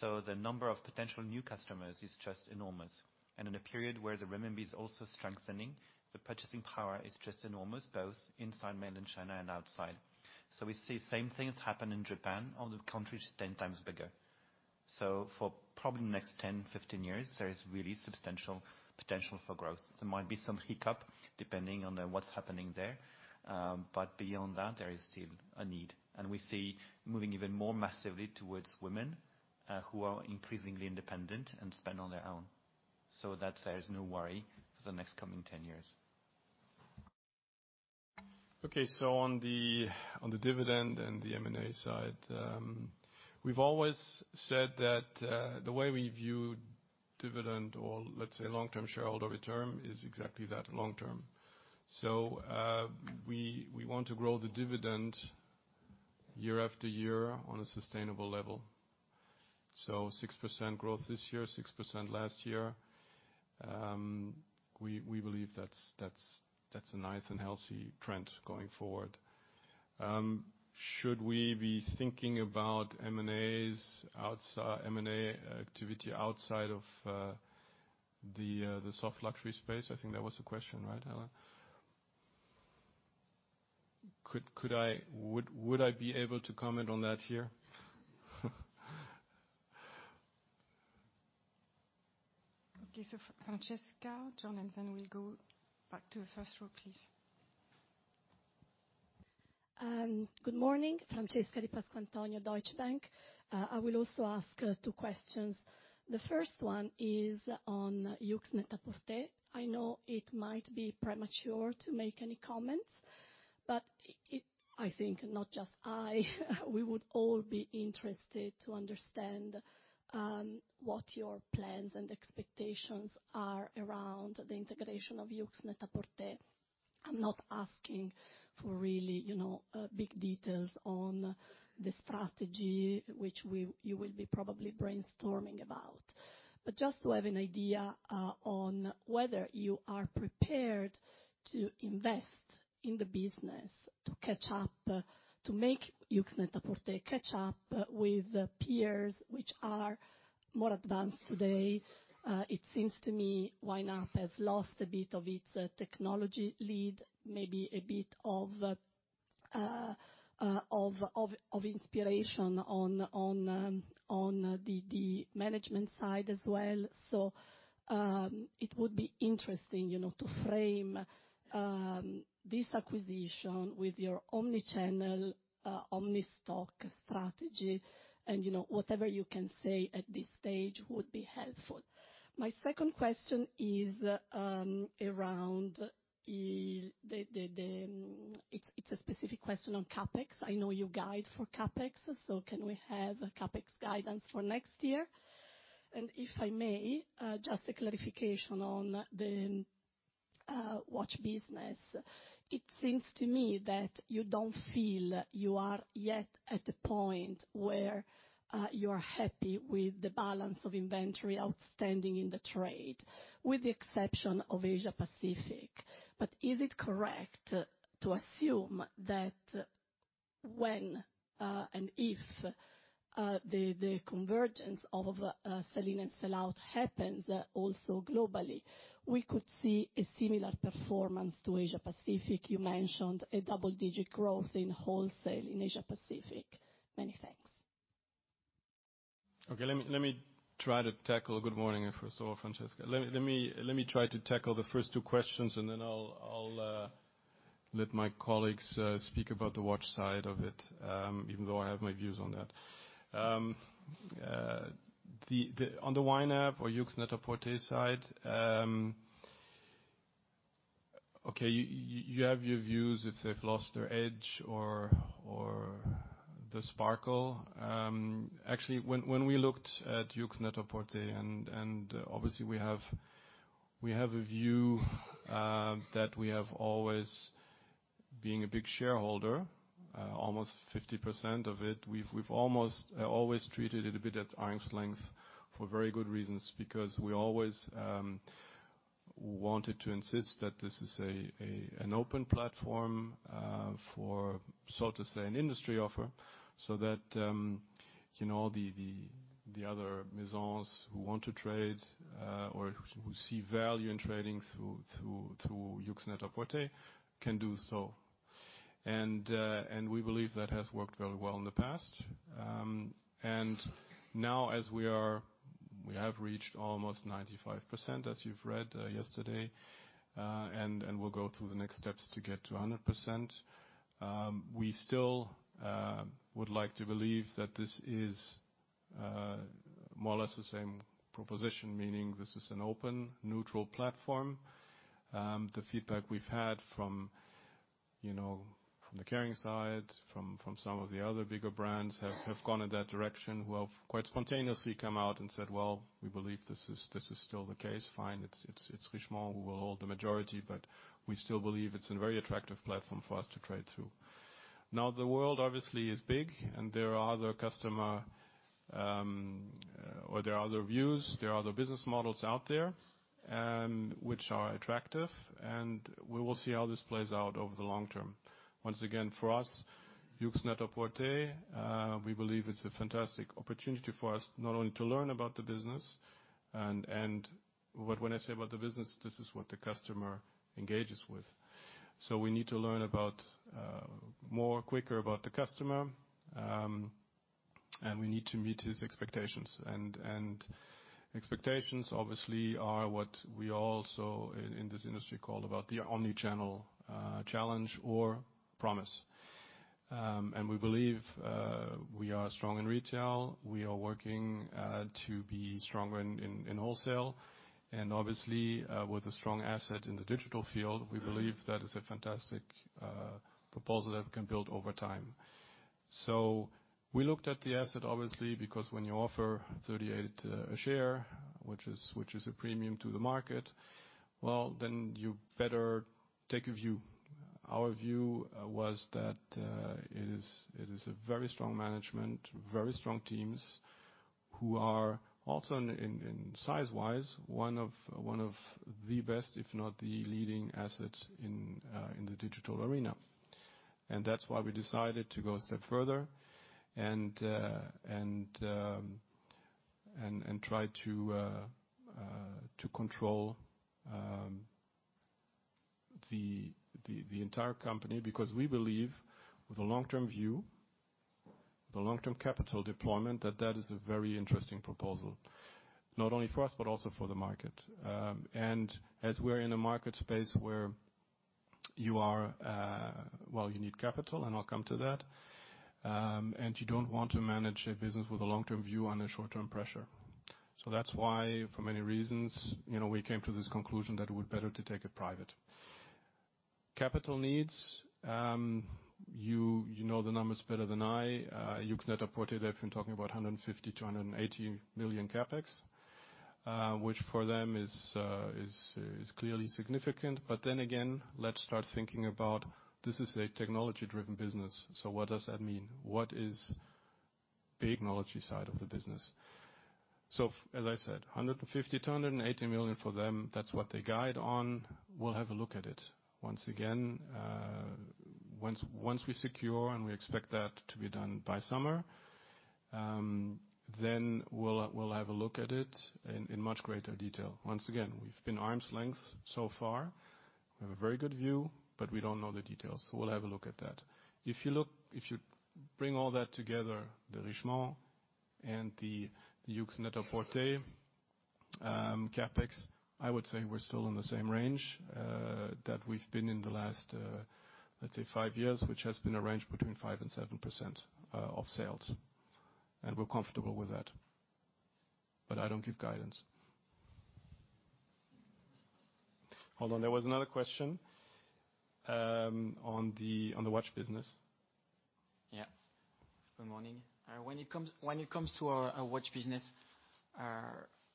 The number of potential new customers is just enormous. In a period where the renminbi is also strengthening, the purchasing power is just enormous, both inside Mainland China and outside. We see same things happen in Japan on the country is 10 times bigger. For probably the next 10, 15 years, there is really substantial potential for growth. There might be some hiccup depending on what's happening there. Beyond that, there is still a need. We see moving even more massively towards women who are increasingly independent and spend on their own. That there's no worry for the next coming 10 years. Okay, on the dividend and the M&A side. We've always said that the way we view Dividend or, let's say long-term shareholder return is exactly that, long term. We want to grow the dividend year after year on a sustainable level. 6% growth this year, 6% last year. We believe that's a nice and healthy trend going forward. Should we be thinking about M&A activity outside of the soft luxury space? I think that was the question, right, Helen? Would I be able to comment on that here? Okay. Francesca, Jon, we'll go back to the first row, please. Good morning. Francesca Di Pasquantonio, Deutsche Bank. I will also ask two questions. The first one is on Yoox NET-A-PORTER. I know it might be premature to make any comments, I think not just I we would all be interested to understand, what your plans and expectations are around the integration of Yoox NET-A-PORTER. I'm not asking for really big details on the strategy, which you will be probably brainstorming about. Just to have an idea, on whether you are prepared to invest in the business to catch up, to make Yoox NET-A-PORTER catch up with peers which are more advanced today. It seems to me, YNAP has lost a bit of its technology lead, maybe a bit of inspiration on the management side as well. It would be interesting to frame this acquisition with your omni-channel, omni-stock strategy and whatever you can say at this stage would be helpful. My second question is, it's a specific question on CapEx. I know you guide for CapEx, can we have a CapEx guidance for next year? If I may, just a clarification on the watch business. It seems to me that you don't feel you are yet at the point where you are happy with the balance of inventory outstanding in the trade, with the exception of Asia-Pacific. Is it correct to assume that when, and if, the convergence of sell-in and sellout happens also globally, we could see a similar performance to Asia-Pacific. You mentioned a double-digit growth in wholesale in Asia-Pacific. Many thanks. Okay. Let me try to tackle. Good morning, first of all, Francesca. Let me try to tackle the first two questions, then I'll let my colleagues speak about the watch side of it. Even though I have my views on that. On the YNAP or Yoox NET-A-PORTER side, okay, you have your views if they've lost their edge or the sparkle. Actually, when we looked at Yoox NET-A-PORTER and obviously we have a view that we have always, being a big shareholder, almost 50% of it. We've almost always treated it a bit at arm's length for very good reasons, because we always wanted to insist that this is an open platform for, so to say, an industry offer, so that the other maisons who want to trade, or who see value in trading through Yoox NET-A-PORTER can do so. We believe that has worked very well in the past. Now as we have reached almost 95%, as you've read yesterday, we'll go through the next steps to get to 100%. We still would like to believe that this is more or less the same proposition, meaning this is an open, neutral platform. The feedback we've had from the Kering side, from some of the other bigger brands, have gone in that direction, who have quite spontaneously come out and said, "Well, we believe this is still the case. Fine, it's Richemont who will hold the majority, we still believe it's a very attractive platform for us to trade through." The world obviously is big, there are other customer, or there are other views, there are other business models out there, which are attractive, we will see how this plays out over the long term. Once again, for us, Yoox NET-A-PORTER, we believe it's a fantastic opportunity for us, not only to learn about the business and when I say about the business, this is what the customer engages with. We need to learn more quicker about the customer, we need to meet his expectations. Expectations, obviously, are what we also, in this industry, call about the omni-channel challenge or promise. We believe, we are strong in retail. We are working to be stronger in wholesale. Obviously, with a strong asset in the digital field, we believe that is a fantastic proposal that we can build over time. We looked at the asset, obviously, because when you offer 38 a share, which is a premium to the market, well, you better take a view. Our view was that it is a very strong management, very strong teams, who are also size-wise, one of the best, if not the leading asset in the digital arena. That's why we decided to go a step further and try to control the entire company, because we believe with a long-term view, the long-term capital deployment, that that is a very interesting proposal, not only for us, but also for the market. As we're in a market space where you need capital, I'll come to that, you don't want to manage a business with a long-term view and a short-term pressure. That's why, for many reasons, we came to this conclusion that it would be better to take it private. Capital needs, you know the numbers better than I. Yoox NET-A-PORTER have been talking about 150 million-180 million CapEx, which for them is clearly significant. Again, let's start thinking about this is a technology-driven business. What does that mean? What is the technology side of the business? As I said, 150 million-180 million for them, that's what they guide on. We'll have a look at it. Once we secure, we expect that to be done by summer, we'll have a look at it in much greater detail. Once again, we've been arm's length so far. We have a very good view, but we don't know the details. We'll have a look at that. If you bring all that together, the Richemont and the Yoox NET-A-PORTER CapEx, I would say we're still in the same range that we've been in the last, let's say five years, which has been a range between 5% and 7% of sales. We're comfortable with that. I don't give guidance. Hold on, there was another question on the watch business. Yeah. Good morning. When it comes to our watch business,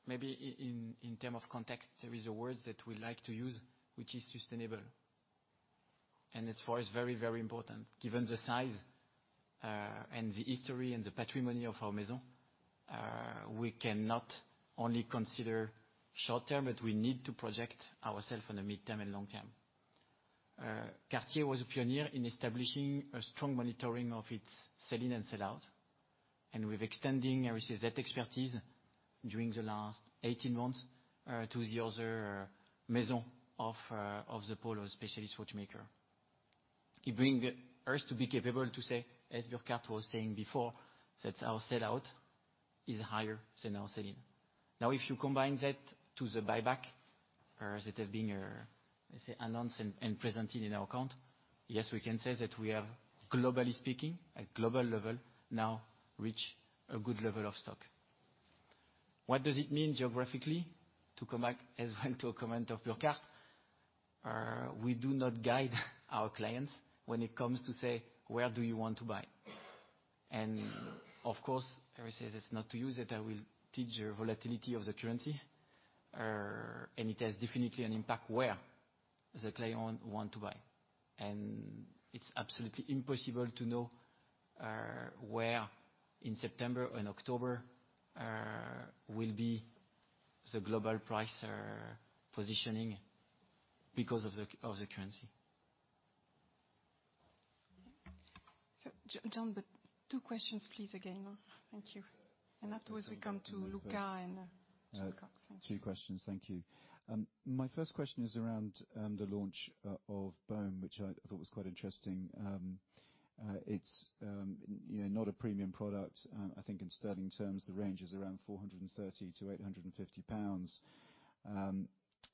maybe in terms of context, there is a word that we like to use, which is sustainable. As far as very important, given the size and the history and the patrimony of our maison, we cannot only consider short-term, but we need to project ourselves on the midterm and long term. Cartier was a pioneer in establishing a strong monitoring of its sell-in and sell-out, and with extending that expertise during the last 18 months to the other maison of the Specialist Watchmakers. It brings us to be capable to say, as Burkhart was saying before, that our sell-out is higher than our sell-in. If you combine that to the buyback, as it has been announced and presented in our account, yes, we can say that we are globally speaking, at global level now reach a good level of stock. What does it mean geographically? To come back as well to a comment of Burkhart, we do not guide our clients when it comes to say, "Where do you want to buy?" Of course, as I said, it's not to use it. It will show the volatility of the currency, and it has definitely an impact where the client want to buy. It's absolutely impossible to know where in September and October will be the global price positioning because of the currency. Jon, but two questions please again. Thank you. Afterwards we come to Luca and Jon Cox. Thank you. Two questions. Thank you. My first question is around the launch of Baume, which I thought was quite interesting. It's not a premium product. I think in GBP terms, the range is around 430-850 pounds.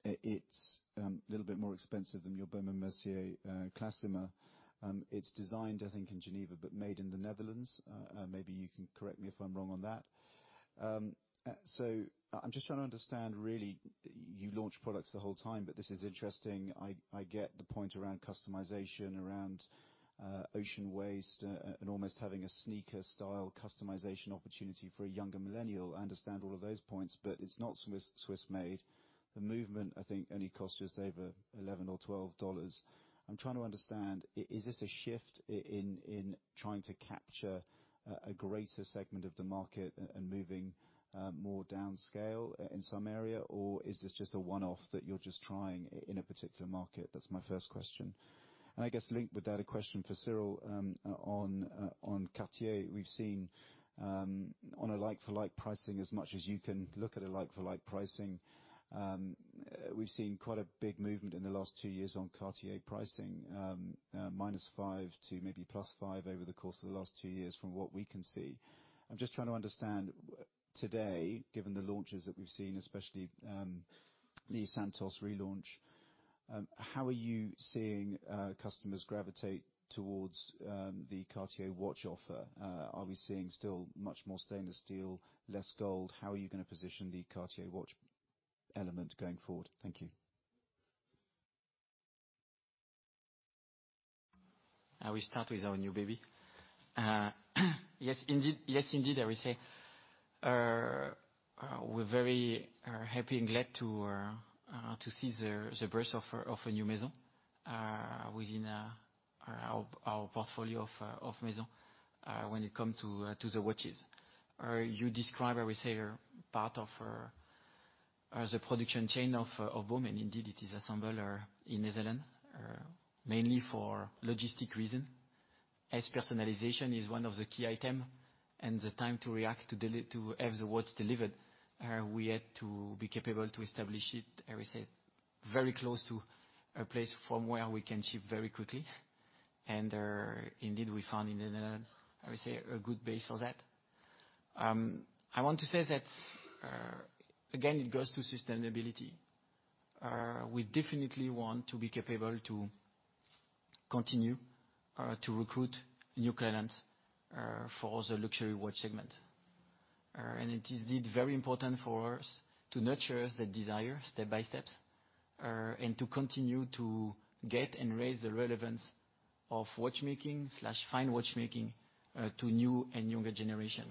It's a little bit more expensive than your Baume & Mercier Classima. It's designed, I think, in Geneva, but made in the Netherlands. Maybe you can correct me if I'm wrong on that. I'm just trying to understand, really, you launch products the whole time, but this is interesting. I get the point around customization, around ocean waste, and almost having a sneaker-style customization opportunity for a younger millennial. I understand all of those points, but it's not Swiss-made. The movement, I think, only costs just over $11 or $12. I'm trying to understand, is this a shift in trying to capture a greater segment of the market and moving more downscale in some area, or is this just a one-off that you're just trying in a particular market? That's my first question. I guess linked with that, a question for Cyrille on Cartier. We've seen on a like-for-like pricing, as much as you can look at a like-for-like pricing, we've seen quite a big movement in the last 2 years on Cartier pricing, -5% to maybe +5% over the course of the last 2 years from what we can see. I'm just trying to understand today, given the launches that we've seen, especially the Santos relaunch. How are you seeing customers gravitate towards the Cartier watch offer? Are we seeing still much more stainless steel, less gold? How are you going to position the Cartier watch element going forward? Thank you. We start with our new baby. Yes, indeed, I would say, we're very happy and glad to see the birth of a new Maison within our portfolio of Maisons, when it comes to the watches. You describe, I would say, part of the production chain of Baume, and indeed, it is assembled in Switzerland, mainly for logistics reason, as personalization is one of the key items and the time to react to have the watch delivered, we had to be capable to establish it, I would say, very close to a place from where we can ship very quickly. Indeed we found in Switzerland, I would say, a good base for that. I want to say that, again, it goes to sustainability. We definitely want to be capable to continue to recruit new clients for the luxury watch segment. It is indeed very important for us to nurture the desire step by step, to continue to get and raise the relevance of watchmaking/fine watchmaking, to new and younger generation.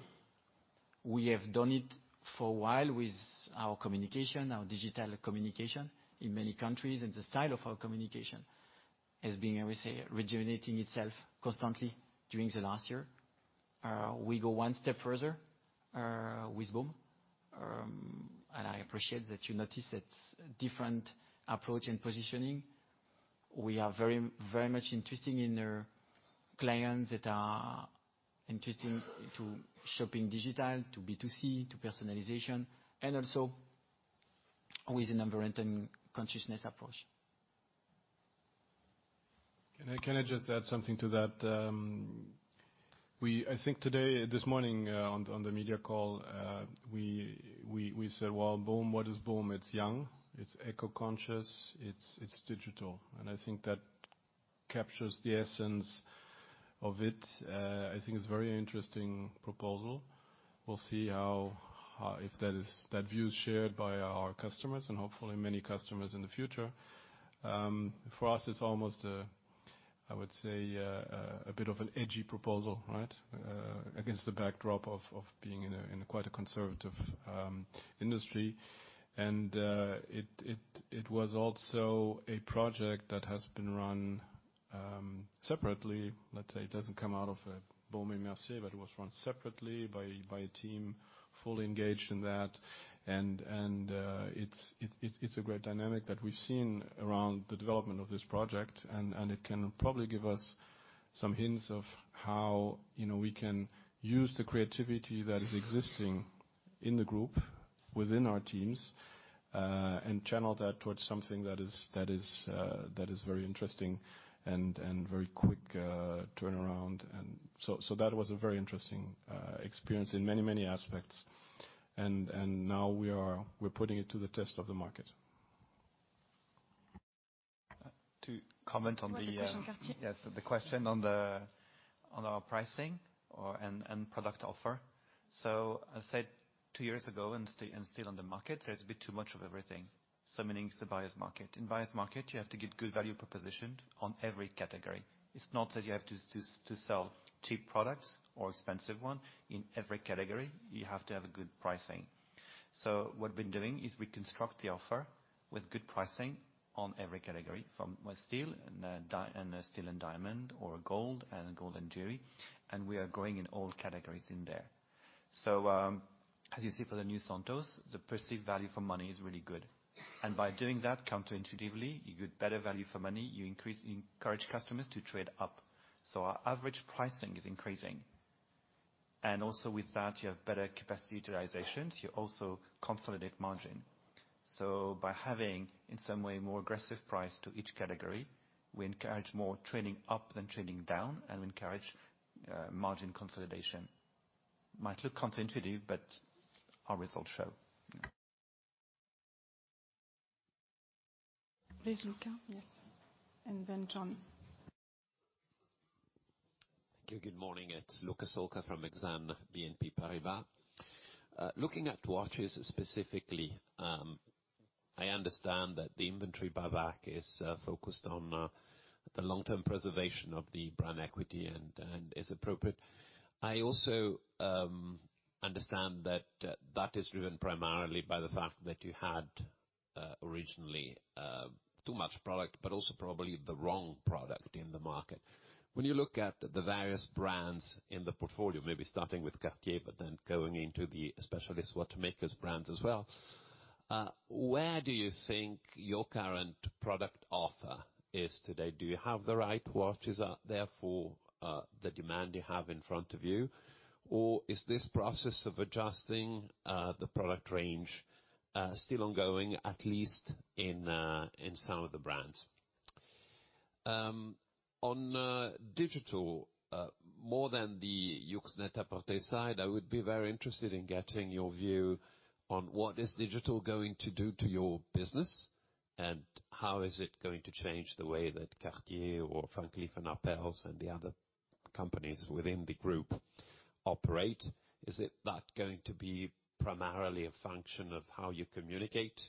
We have done it for a while with our communication, our digital communication in many countries, and the style of our communication has been, I would say, rejuvenating itself constantly during the last year. We go one step further with Baume. I appreciate that you noticed that different approach and positioning. We are very much interested in clients that are interested to shopping digital, to B2C, to personalization, and also with an environmental consciousness approach. Can I just add something to that? I think today, this morning, on the media call, we said, "Baume, what is Baume? It's young, it's eco-conscious, it's digital." I think that captures the essence of it. I think it's a very interesting proposal. We'll see if that view is shared by our customers, and hopefully many customers in the future. For us, it's almost, I would say, a bit of an edgy proposal, right? Against the backdrop of being in quite a conservative industry. It was also a project that has been run separately. Let's say it doesn't come out of a Baume & Mercier, but it was run separately by a team fully engaged in that. It's a great dynamic that we've seen around the development of this project. It can probably give us some hints of how we can use the creativity that is existing in the group, within our teams, and channel that towards something that is very interesting and very quick turnaround. That was a very interesting experience in many, many aspects. Now we're putting it to the test of the market. To comment on the The question, Cartier. Yes, the question on our pricing and product offer. I said two years ago and still on the market, there's a bit too much of everything, meaning it's a buyer's market. In buyer's market, you have to give good value proposition on every category. It's not that you have to sell cheap products or expensive one. In every category, you have to have a good pricing. What we've been doing is we construct the offer with good pricing on every category, from steel and diamond, or gold and jewelry, and we are growing in all categories in there. As you see for the new Santos, the perceived value for money is really good. By doing that, counterintuitively, you get better value for money, you encourage customers to trade up. Our average pricing is increasing. Also with that, you have better capacity utilizations. You also consolidate margin. By having, in some way, more aggressive price to each category, we encourage more trading up than trading down and we encourage margin consolidation. Might look counterintuitive, but our results show. Please, Luca. Yes. Then Jon. Thank you. Good morning. It's Luca Solca from Exane BNP Paribas. Looking at watches specifically, I understand that the inventory back is focused on the long-term preservation of the brand equity and is appropriate. I also understand that that is driven primarily by the fact that you had originally too much product, but also probably the wrong product in the market. When you look at the various brands in the portfolio, maybe starting with Cartier, but then going into the Specialist Watchmakers brands as well, where do you think your current product offer is today? Do you have the right watches out there for the demand you have in front of you? Or is this process of adjusting the product range still ongoing, at least in some of the brands? On digital, more than the Yoox NET-A-PORTER side, I would be very interested in getting your view on what is digital going to do to your business, and how is it going to change the way that Cartier or Van Cleef & Arpels and the other companies within the group operate? Is that going to be primarily a function of how you communicate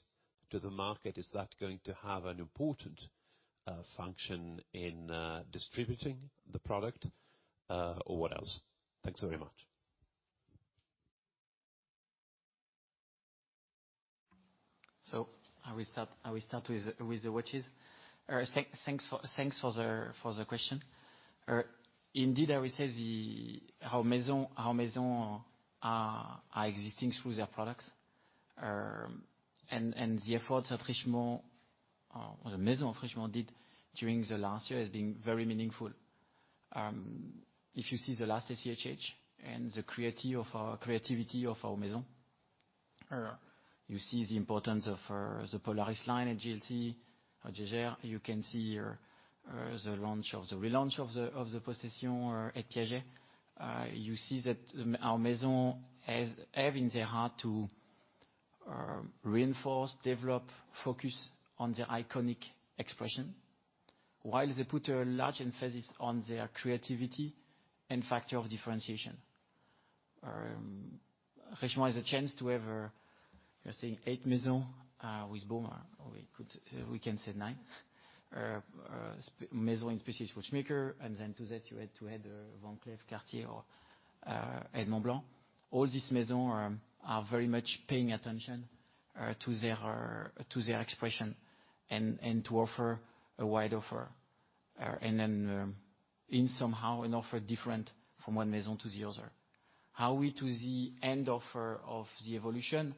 to the market? Is that going to have an important function in distributing the product, or what else? Thanks very much. I will start with the watches. Thanks for the question. Indeed, I would say our maison are existing through their products. The efforts the Maison Richemont did during the last year has been very meaningful. If you see the last SIHH and the creativity of our maison, you see the importance of the Polaris line at JLC, Jaeger. You can see the relaunch of the Possession at Piaget. You see that our maison have in their heart to reinforce, develop, focus on their iconic expression, while they put a large emphasis on their creativity and factor of differentiation. Richemont has a chance to have, you are saying eight maison with Baume. We can say nine. Maison in specialist watchmaker, then to that you had to add Van Cleef, Cartier or Montblanc. All these maison are very much paying attention to their expression and to offer a wide offer. Then in somehow an offer different from one maison to the other. Are we to the end offer of the evolution?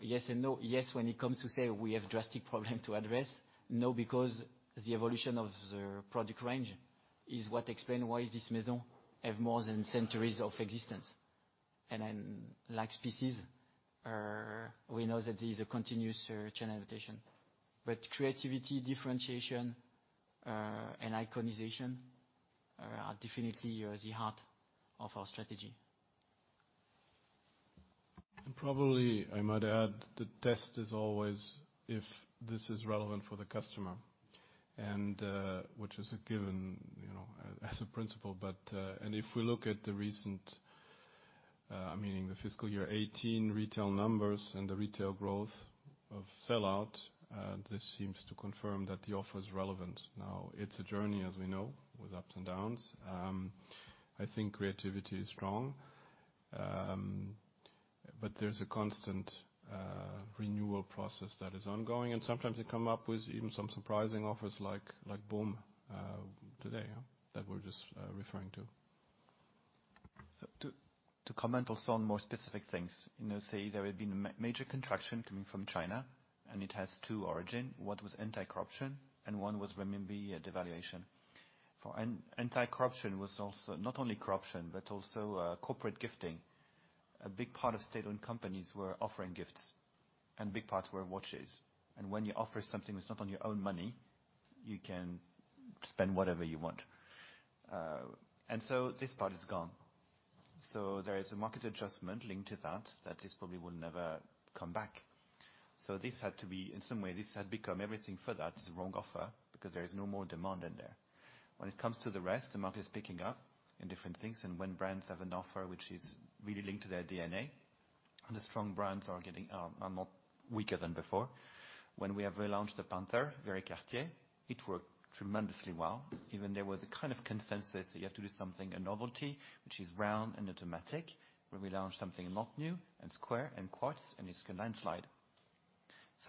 Yes and no. Yes, when it comes to say we have drastic problem to address. No, because the evolution of the product range is what explain why this maison have more than centuries of existence. Then like specialist, we know that there is a continuous channel adaptation. Creativity, differentiation, and iconization are definitely the heart of our strategy. Probably I might add, the test is always if this is relevant for the customer, which is a given as a principle. If we look at the recent, meaning the fiscal year 2018 retail numbers and the retail growth of sell-out, this seems to confirm that the offer is relevant now. It's a journey, as we know, with ups and downs. I think creativity is strong. There's a constant renewal process that is ongoing, and sometimes they come up with even some surprising offers like Baume today that we're just referring to. To comment also on more specific things. There have been major contraction coming from China, and it has two origins. One was anti-corruption, and one was renminbi devaluation. Anti-corruption was also not only corruption, but also corporate gifting. A big part of state-owned companies were offering gifts, and big part were watches. When you offer something that's not on your own money, you can spend whatever you want. This part is gone. There is a market adjustment linked to that this probably will never come back. This had become everything for that is the wrong offer because there is no more demand in there. When it comes to the rest, the market is picking up in different things, and when brands have an offer, which is really linked to their DNA, the strong brands are not weaker than before. When we have relaunched the Panthère, very Cartier, it worked tremendously well. Even there was a kind of consensus that you have to do something, a novelty, which is round and automatic. We launched something not new and square and quartz, and it's a landslide.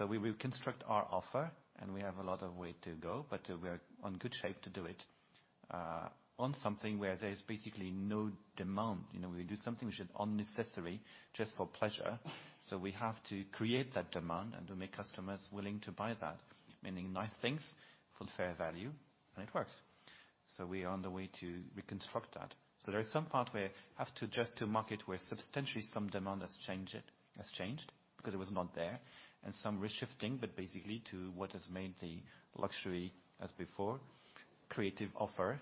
We will construct our offer, and we have a lot of way to go, but we are on good shape to do it. On something where there is basically no demand, we do something which is unnecessary, just for pleasure. We have to create that demand and to make customers willing to buy that. Meaning nice things for fair value, and it works. We are on the way to reconstruct that. There is some part where have to adjust to market where substantially some demand has changed because it was not there. Some re-shifting, but basically to what has made the luxury as before, creative offer,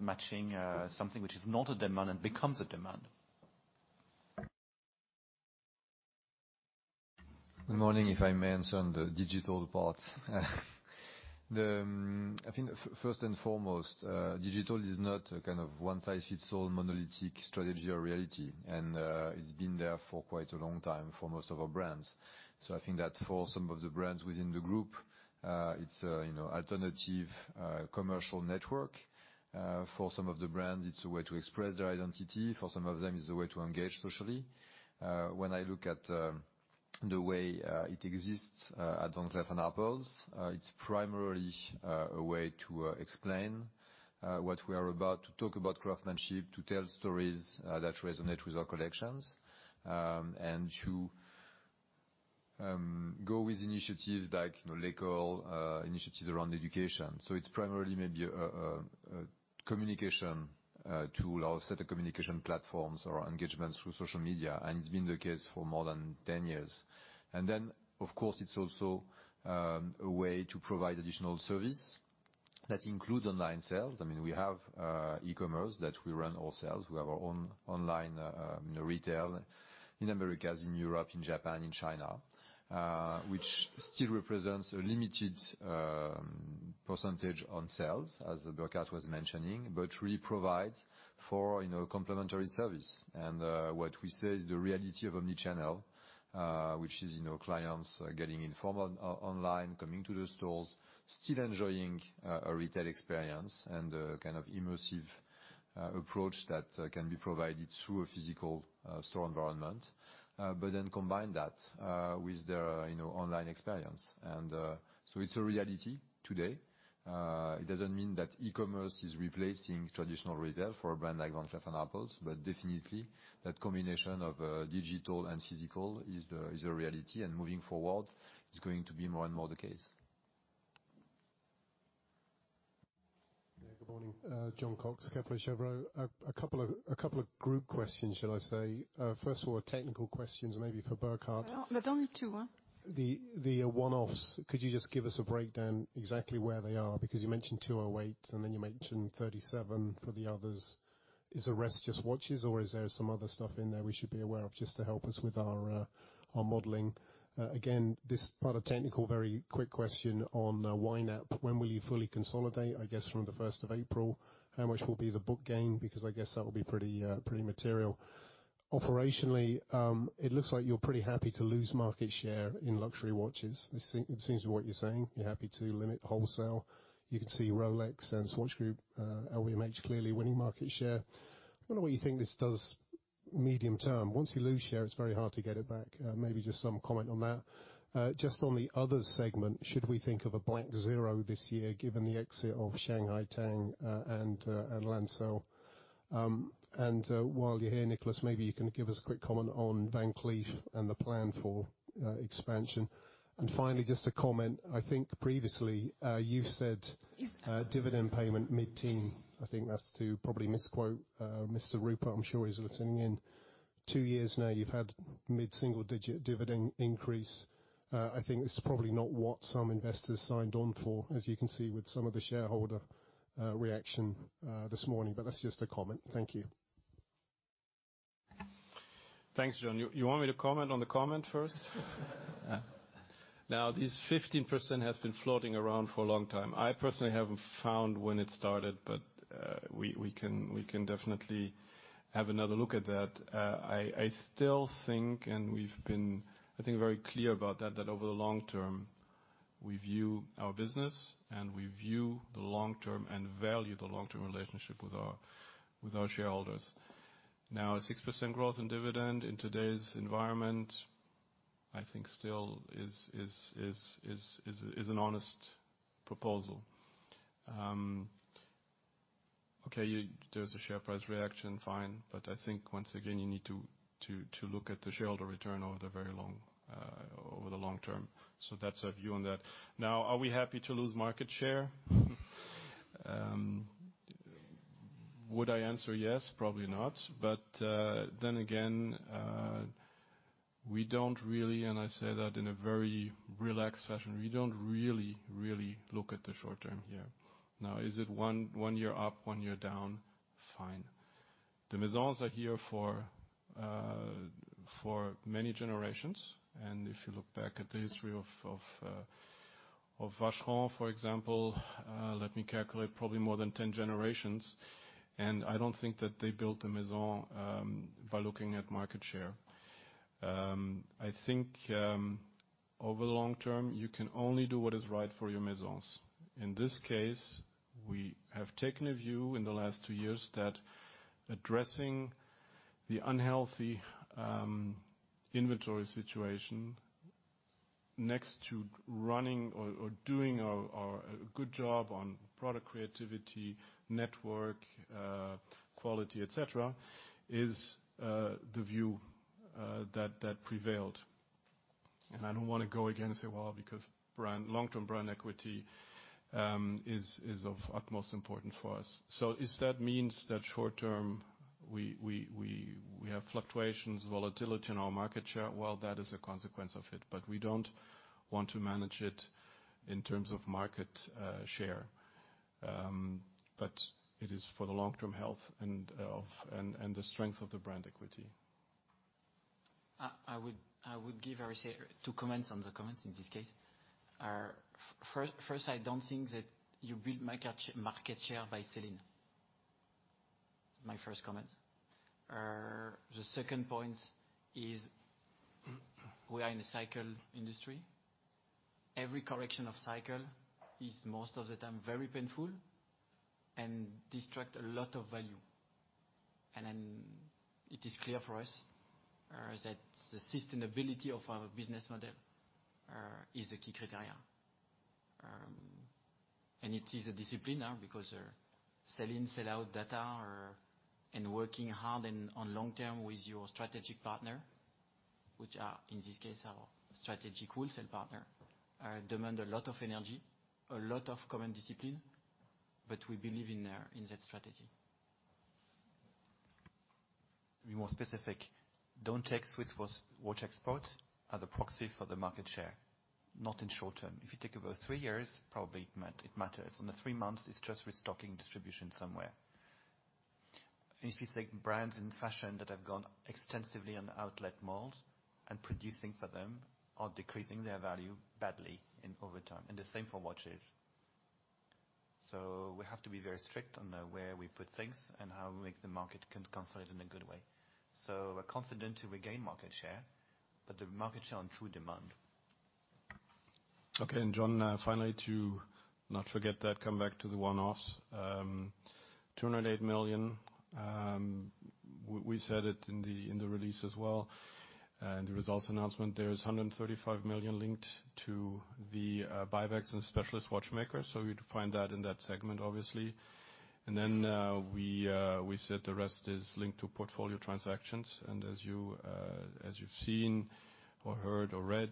matching something which is not a demand and becomes a demand. Good morning. If I may answer on the digital part. I think first and foremost, digital is not a kind of one-size-fits-all monolithic strategy or reality. It's been there for quite a long time for most of our brands. I think that for some of the brands within the group, it's alternative commercial network. For some of the brands, it's a way to express their identity. For some of them, it's a way to engage socially. When I look at the way it exists at Van Cleef & Arpels, it's primarily a way to explain what we are about, to talk about craftsmanship, to tell stories that resonate with our collections, and to go with initiatives like local initiatives around education. It's primarily maybe a communication tool or set of communication platforms or engagements through social media, and it's been the case for more than 10 years. Of course, it's also a way to provide additional service that includes online sales. We have e-commerce that we run ourselves. We have our own online retail in Americas, in Europe, in Japan, in China, which still represents a limited % on sales, as Burkhart was mentioning, but really provides for a complementary service. What we say is the reality of omni-channel, which is clients getting informed online, coming to the stores, still enjoying a retail experience and a kind of immersive approach that can be provided through a physical store environment. Combine that with their online experience. It's a reality today. It doesn't mean that e-commerce is replacing traditional retail for a brand like Van Cleef & Arpels, but definitely that combination of digital and physical is a reality, and moving forward, it's going to be more and more the case. Good morning. Jon Cox, Jefferies. A couple of group questions, shall I say. First of all, technical questions, maybe for Burkhart. Only two, huh? The one-offs, could you just give us a breakdown exactly where they are? You mentioned 208, and then you mentioned 37 for the others. Is the rest just watches, or is there some other stuff in there we should be aware of, just to help us with our modeling? Again, this rather technical, very quick question on YNAP. When will you fully consolidate? I guess from the 1st of April. How much will be the book gain? I guess that will be pretty material. Operationally, it looks like you're pretty happy to lose market share in luxury watches. It seems what you're saying, you're happy to limit wholesale. You can see Rolex and Swatch Group, LVMH, clearly winning market share. I wonder what you think this does medium term. Once you lose share, it's very hard to get it back. Maybe just some comment on that. Just on the other segment, should we think of a blank zero this year, given the exit of Shanghai Tang and Lancel? While you're here, Nicolas, maybe you can give us a quick comment on Van Cleef and the plan for expansion. Finally, just a comment. I think previously you said dividend payment mid-teen. I think that's to probably misquote Mr. Rupert. I'm sure he's listening in. Two years now, you've had mid-single-digit dividend increase. I think this is probably not what some investors signed on for, as you can see with some of the shareholder reaction this morning. That's just a comment. Thank you. Thanks, Jon. You want me to comment on the comment first? This 15% has been floating around for a long time. I personally haven't found when it started, we can definitely have another look at that. I still think, we've been, I think, very clear about that over the long term, we view our business and we view the long term and value the long-term relationship with our shareholders. 6% growth in dividend in today's environment, I think still is an honest proposal. Okay, there's a share price reaction, fine. I think, once again, you need to look at the shareholder return over the long term. That's our view on that. Are we happy to lose market share? Would I answer yes? Probably not. Then again, we don't really, and I say that in a very relaxed fashion, we don't really look at the short term here. Is it one year up, one year down? Fine. The Maisons are here for many generations. If you look back at the history of Vacheron, for example, let me calculate, probably more than 10 generations, I don't think that they built a Maison by looking at market share. I think over the long term, you can only do what is right for your Maisons. In this case, we have taken a view in the last two years that addressing the unhealthy inventory situation next to running or doing a good job on product creativity, network, quality, et cetera, is the view that prevailed. I don't want to go again and say, well, because long-term brand equity is of utmost importance for us. If that means that short term, we have fluctuations, volatility in our market share, well, that is a consequence of it. We don't want to manage it in terms of market share. It is for the long-term health and the strength of the brand equity. I would give, I would say, two comments on the comments in this case. First, I don't think that you build market share by selling. My first comment. The second point is we are in a cycle industry. Every correction of cycle is most of the time very painful and distract a lot of value. It is clear for us that the sustainability of our business model is a key criteria. It is a discipline now because sell-in, sell-out data and working hard and on long term with your strategic partner, which are, in this case, our strategic wholesale partner, demand a lot of energy, a lot of common discipline, we believe in that strategy. To be more specific, don't take Swiss watch exports as a proxy for the market share. Not in short term. If you think about three years, probably it matters. On the three months, it's just restocking distribution somewhere. If you take brands in fashion that have gone extensively on outlet malls and producing for them are decreasing their value badly over time, and the same for watches. We have to be very strict on where we put things and how we make the market consolidate in a good way. We're confident to regain market share, but the market share on true demand. Jon, finally, to not forget that, come back to the one-offs. 208 million. We said it in the release as well, in the results announcement there, is 135 million linked to the buybacks and Specialist Watchmakers. You'd find that in that segment, obviously. We said the rest is linked to portfolio transactions. As you've seen or heard or read,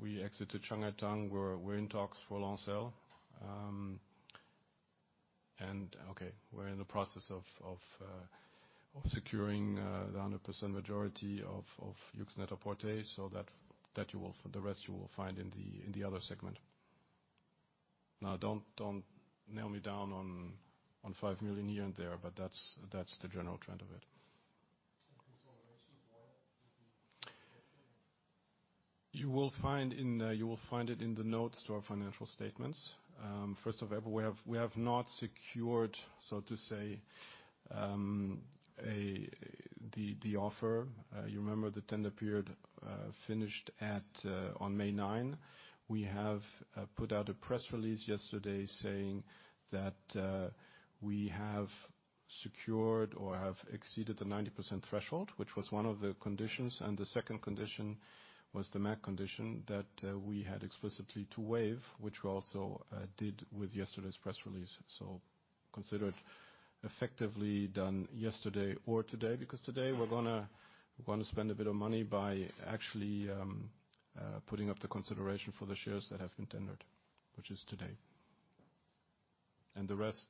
we exited Shanghai Tang. We're in talks for Lancel. We're in the process of securing the 100% majority of Yoox Net-a-Porter, the rest you will find in the other segment. Don't nail me down on 5 million here and there, that's the general trend of it. Consideration, why the difference? You will find it in the notes to our financial statements. First of all, we have not secured, so to say, the offer. You remember the tender period finished on May 9. We have put out a press release yesterday saying that we have secured or have exceeded the 90% threshold, which was one of the conditions. The second condition was the MAC condition that we had explicitly to waive, which we also did with yesterday's press release. Consider it effectively done yesterday or today, because today we're going to spend a bit of money by actually putting up the consideration for the shares that have been tendered, which is today. The rest,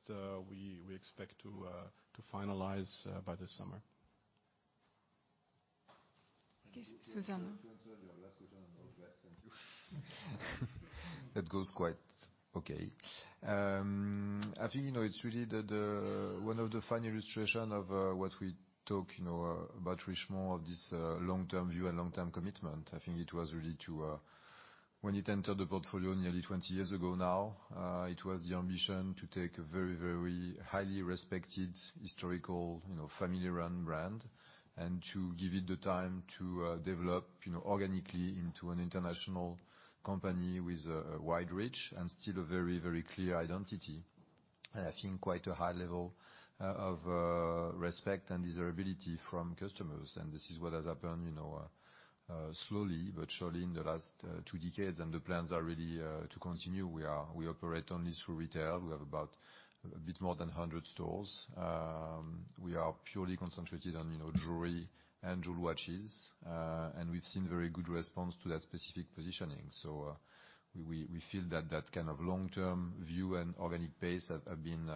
we expect to finalize by this summer. Okay. Zuzanna. To answer your last question on Roger Dubuis. That goes quite okay. I think it's really one of the fine illustration of what we talk about Richemont of this long-term view and long-term commitment. I think it was really to, when it entered the portfolio nearly 20 years ago now, it was the ambition to take a very, very highly respected, historical, family-run brand, and to give it the time to develop organically into an international company with a wide reach and still a very, very clear identity. I think quite a high level of respect and desirability from customers. This is what has happened, slowly but surely, in the last two decades. The plans are really to continue. We operate only through retail. We have about a bit more than 100 stores. We are purely concentrated on jewelry and jewel watches. We've seen very good response to that specific positioning. We feel that that kind of long-term view and organic base have been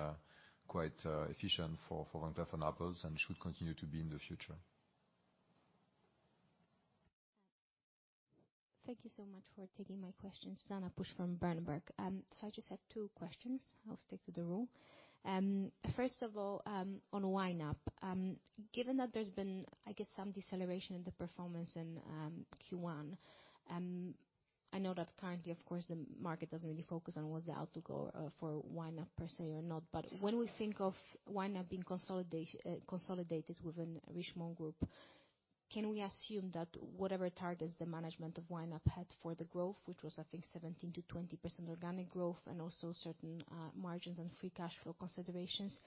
quite efficient for Van Cleef & Arpels and should continue to be in the future. Thank you so much for taking my question, Zuzanna Pusz from Berenberg. I just had two questions. I'll stick to the rule. First of all, on YNAP. Given that there's been, I guess, some deceleration in the performance in Q1, I know that currently, of course, the market doesn't really focus on what's the outlook for YNAP per se or not. When we think of YNAP being consolidated within Richemont Group, can we assume that whatever target is the management of YNAP had for the growth, which was, I think, 17%-20% organic growth and also certain margins and free cash flow considerations,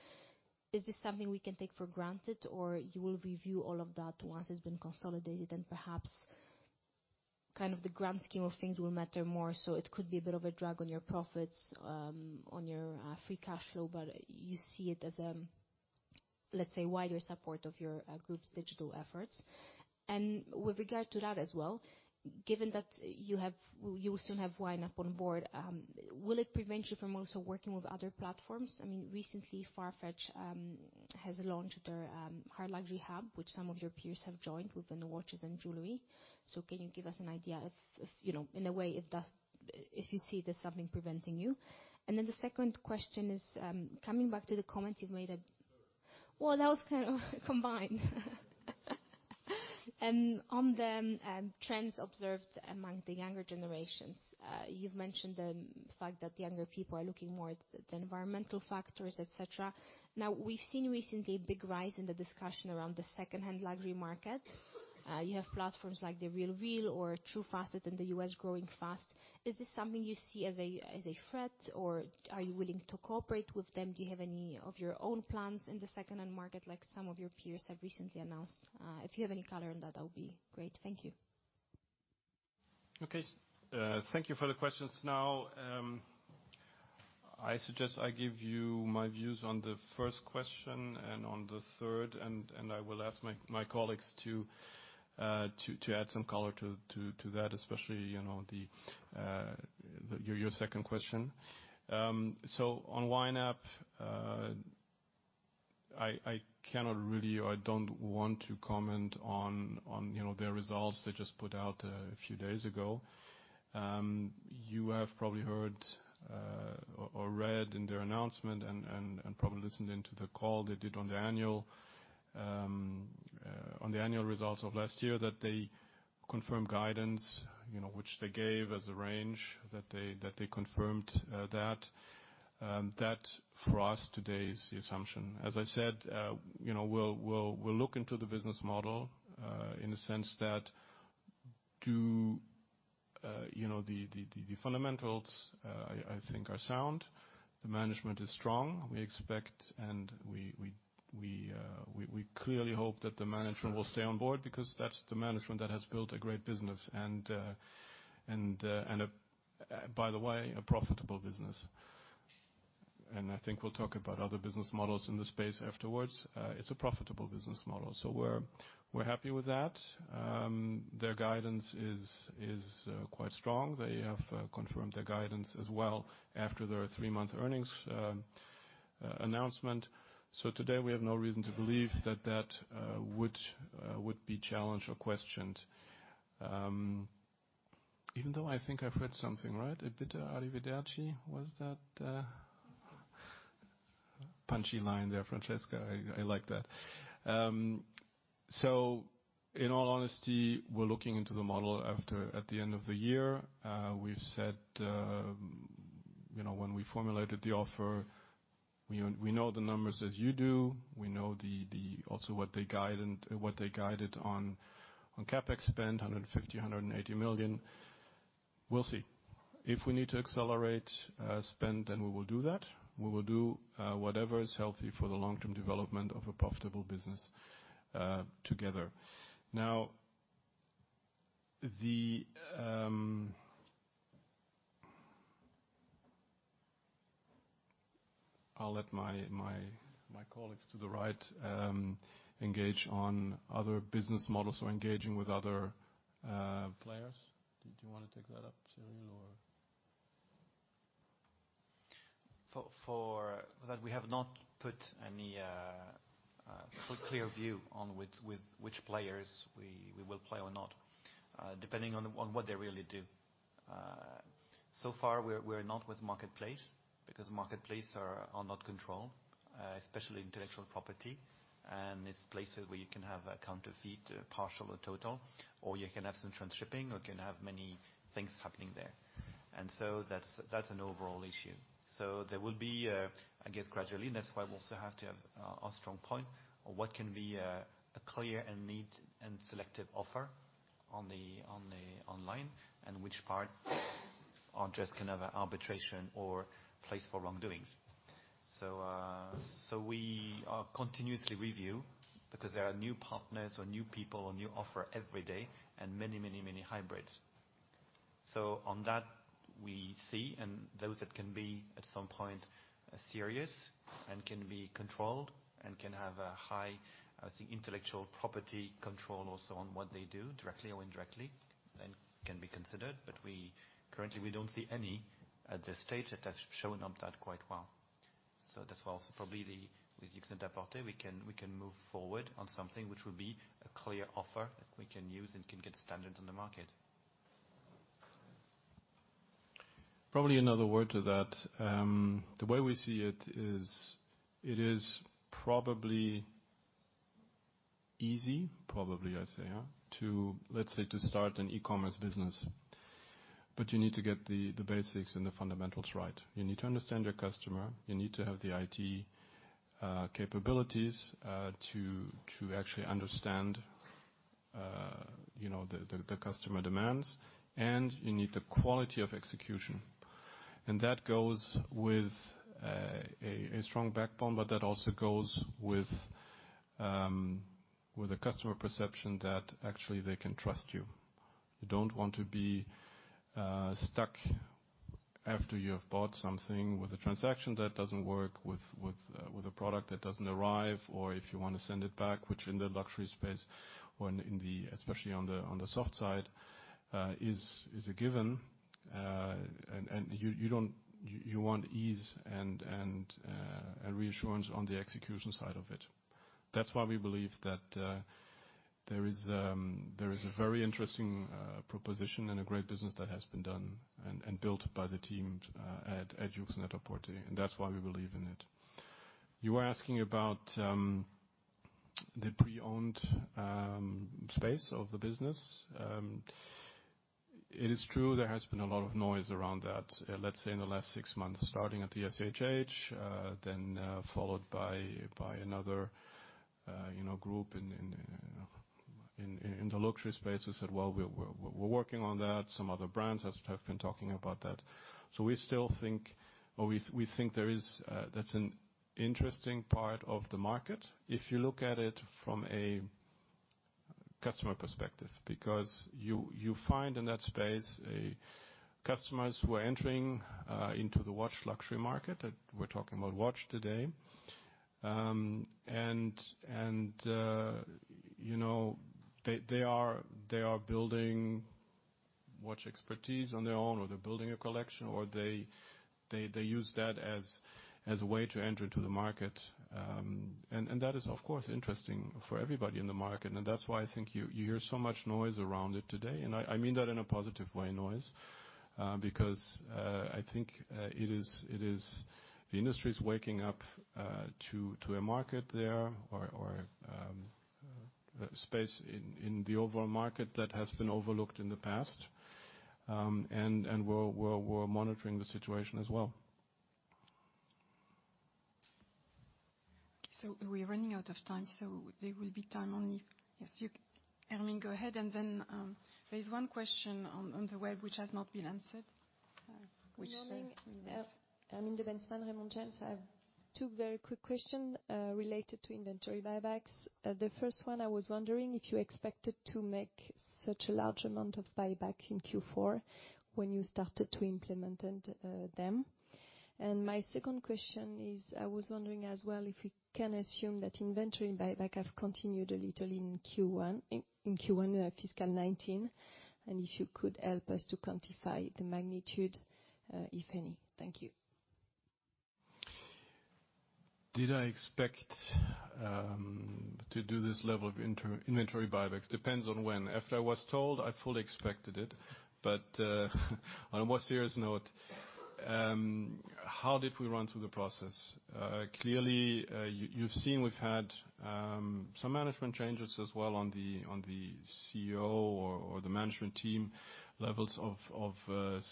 is this something we can take for granted, or you will review all of that once it's been consolidated and perhaps kind of the grand scheme of things will matter more? It could be a bit of a drag on your profits, on your free cash flow, but you see it as, let's say, wider support of your Group's digital efforts. And with regard to that as well, given that you will soon have YNAP on board, will it prevent you from also working with other platforms? Recently, Farfetch has launched their hard luxury hub, which some of your peers have joined within the watches and jewelry. Can you give us an idea if, in a way, if you see there's something preventing you? And then the second question is, coming back to the comments you've made. That was kind of combined. On the trends observed among the younger generations, you've mentioned the fact that younger people are looking more at the environmental factors, et cetera. Now, we've seen recently a big rise in the discussion around the second-hand luxury market. You have platforms like The RealReal or TrueFacet in the U.S. growing fast. Is this something you see as a threat, or are you willing to cooperate with them? Do you have any of your own plans in the second-hand market like some of your peers have recently announced? If you have any color on that would be great. Thank you. Okay. Thank you for the questions. Now, I suggest I give you my views on the first question and on the third, and I will ask my colleagues to add some color to that, especially your second question. On YNAP, I cannot really, or don't want to comment on their results they just put out a few days ago. You have probably heard or read in their announcement, and probably listened in to the call they did on the annual results of last year, that they confirmed guidance which they gave as a range, that they confirmed that. That, for us today, is the assumption. As I said, we'll look into the business model, in the sense that the fundamentals, I think are sound. The management is strong. We expect and we clearly hope that the management will stay on board, because that's the management that has built a great business and, by the way, a profitable business. I think we'll talk about other business models in the space afterwards. It's a profitable business model. We're happy with that. Their guidance is quite strong. They have confirmed their guidance as well after their three-month earnings announcement. Today we have no reason to believe that that would be challenged or questioned. Even though I think I've heard something, right? A bit of arrivederci. Was that punchy line there, Francesca? I like that. In all honesty, we're looking into the model at the end of the year. We've said when we formulated the offer. We know the numbers as you do. We know also what they guided on CapEx spend, 150 million-180 million. We'll see. If we need to accelerate spend, we will do that. We will do whatever is healthy for the long-term development of a profitable business together. Now, I'll let my colleagues to the right engage on other business models. Engaging with other players. Did you want to take that up, Cyrille, or? For that we have not put any clear view on with which players we will play or not. Depending on what they really do. So far, we're not with marketplace because marketplace are not controlled, especially intellectual property. It's places where you can have a counterfeit, partial or total, or you can have some transshipping or can have many things happening there. That's an overall issue. There will be, I guess, gradually, that's why we also have to have a strong point on what can be a clear and neat and selective offer online and which part are just kind of an arbitration or place for wrongdoings. We are continuously review because there are new partners or new people or new offer every day and many hybrids. On that we see and those that can be at some point serious and can be controlled and can have a high, I think intellectual property control or so on what they do directly or indirectly, then can be considered. Currently, we don't see any at this stage that have shown up that quite well. That's why also probably with Yoox NET-A-PORTER, we can move forward on something which will be a clear offer that we can use and can get standards on the market. Probably another word to that. The way we see it is, it is probably easy, probably I say, let's say, to start an e-commerce business. You need to get the basics and the fundamentals right. You need to understand your customer. You need to have the IT capabilities to actually understand the customer demands. You need the quality of execution. That goes with a strong backbone. That also goes with a customer perception that actually they can trust you. You don't want to be stuck after you have bought something with a transaction that doesn't work, with a product that doesn't arrive, or if you want to send it back, which in the luxury space or especially on the soft side, is a given. You want ease and reassurance on the execution side of it. That's why we believe that there is a very interesting proposition and a great business that has been done and built by the team at Yoox NET-A-PORTER, and that's why we believe in it. You were asking about the pre-owned space of the business. It is true, there has been a lot of noise around that, let's say in the last 6 months, starting at the SIHH, then followed by another group in the luxury space who said, "Well, we're working on that." Some other brands have been talking about that. We think that's an interesting part of the market if you look at it from a customer perspective, because you find in that space customers who are entering into the watch luxury market, we're talking about watch today. They are building watch expertise on their own, or they're building a collection, or they use that as a way to enter to the market. That is, of course, interesting for everybody in the market. That's why I think you hear so much noise around it today. I mean that in a positive way, noise, because I think the industry's waking up to a market there or space in the overall market that has been overlooked in the past. We're monitoring the situation as well. We're running out of time, so there will be time only. Yes, you. Irming, go ahead. There is one question on the web which has not been answered. Good morning. Hermine de Bentzmann, Raymond James. I have two very quick question related to inventory buybacks. The first one, I was wondering if you expected to make such a large amount of buyback in Q4 when you started to implement them. My second question is, I was wondering as well if we can assume that inventory buyback have continued a little in Q1 fiscal 2019, and if you could help us to quantify the magnitude, if any. Thank you. Did I expect to do this level of inventory buybacks? Depends on when. After I was told, I fully expected it. On a more serious note, how did we run through the process? Clearly, you've seen we've had some management changes as well on the CEO or the management team levels of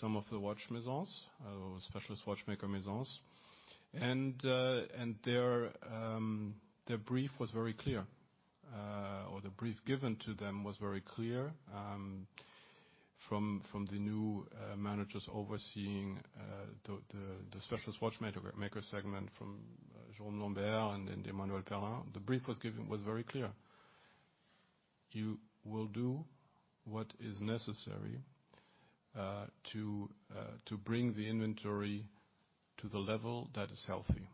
some of the watch Maisons, Specialist Watchmaker Maisons. Their brief was very clear or the brief given to them was very clear from the new managers overseeing the Specialist Watchmaker segment from Jérôme Lambert and Emmanuel Perrin. The brief was very clear. You will do what is necessary to bring the inventory to the level that is healthy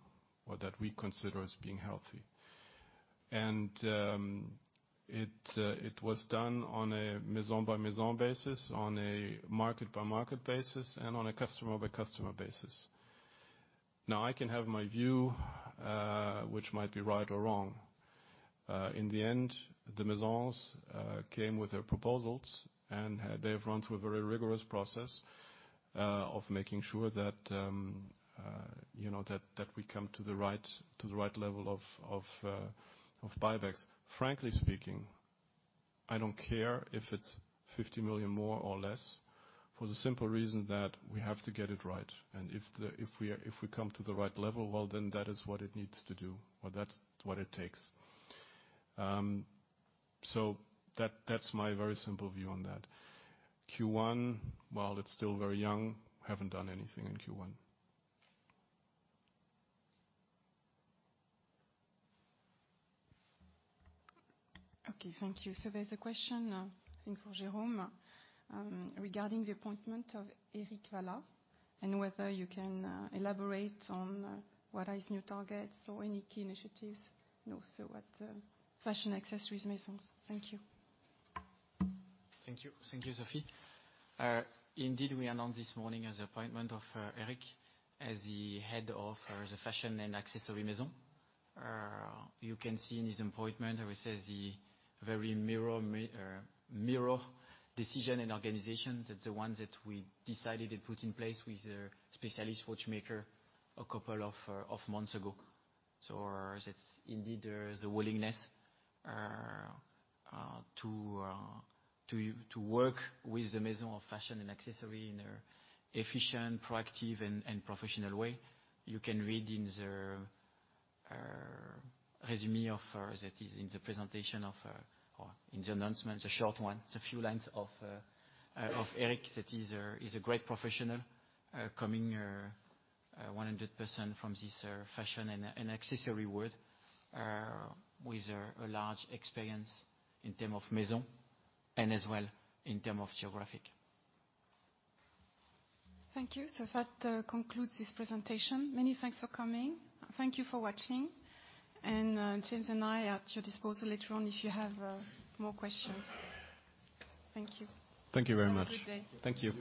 or that we consider as being healthy. It was done on a Maison-by-Maison basis, on a market-by-market basis, and on a customer-by-customer basis. I can have my view, which might be right or wrong. In the end, the Maisons came with their proposals, and they've run through a very rigorous process of making sure that we come to the right level of buybacks. Frankly speaking, I don't care if it's 50 million more or less, for the simple reason that we have to get it right. If we come to the right level, well, then that is what it needs to do, or that's what it takes. That's my very simple view on that. Q1, while it's still very young, haven't done anything in Q1. Okay. Thank you. There's a question, I think for Jérôme, regarding the appointment of Eric Vallat and whether you can elaborate on what is new targets or any key initiatives also at the Fashion & Accessories Maisons. Thank you. Thank you, Sophie. Indeed, we announced this morning as appointment of Eric as the head of the Fashion & Accessories Maisons. You can see in his appointment, I would say the very mirror decision in organizations. That the ones that we decided to put in place with the Specialist Watchmakers a couple of months ago. Indeed there is a willingness to work with the Fashion & Accessories Maisons in an efficient, proactive, and professional way. You can read in the resume of that is in the presentation of or in the announcement, the short one. It's a few lines of Eric that he's a great professional, coming 100% from this fashion and accessory world, with a large experience in term of maison and as well in term of geographic. Thank you. That concludes this presentation. Many thanks for coming. Thank you for watching. James and I at your disposal later on if you have more questions. Thank you. Thank you very much. Have a good day. Thank you.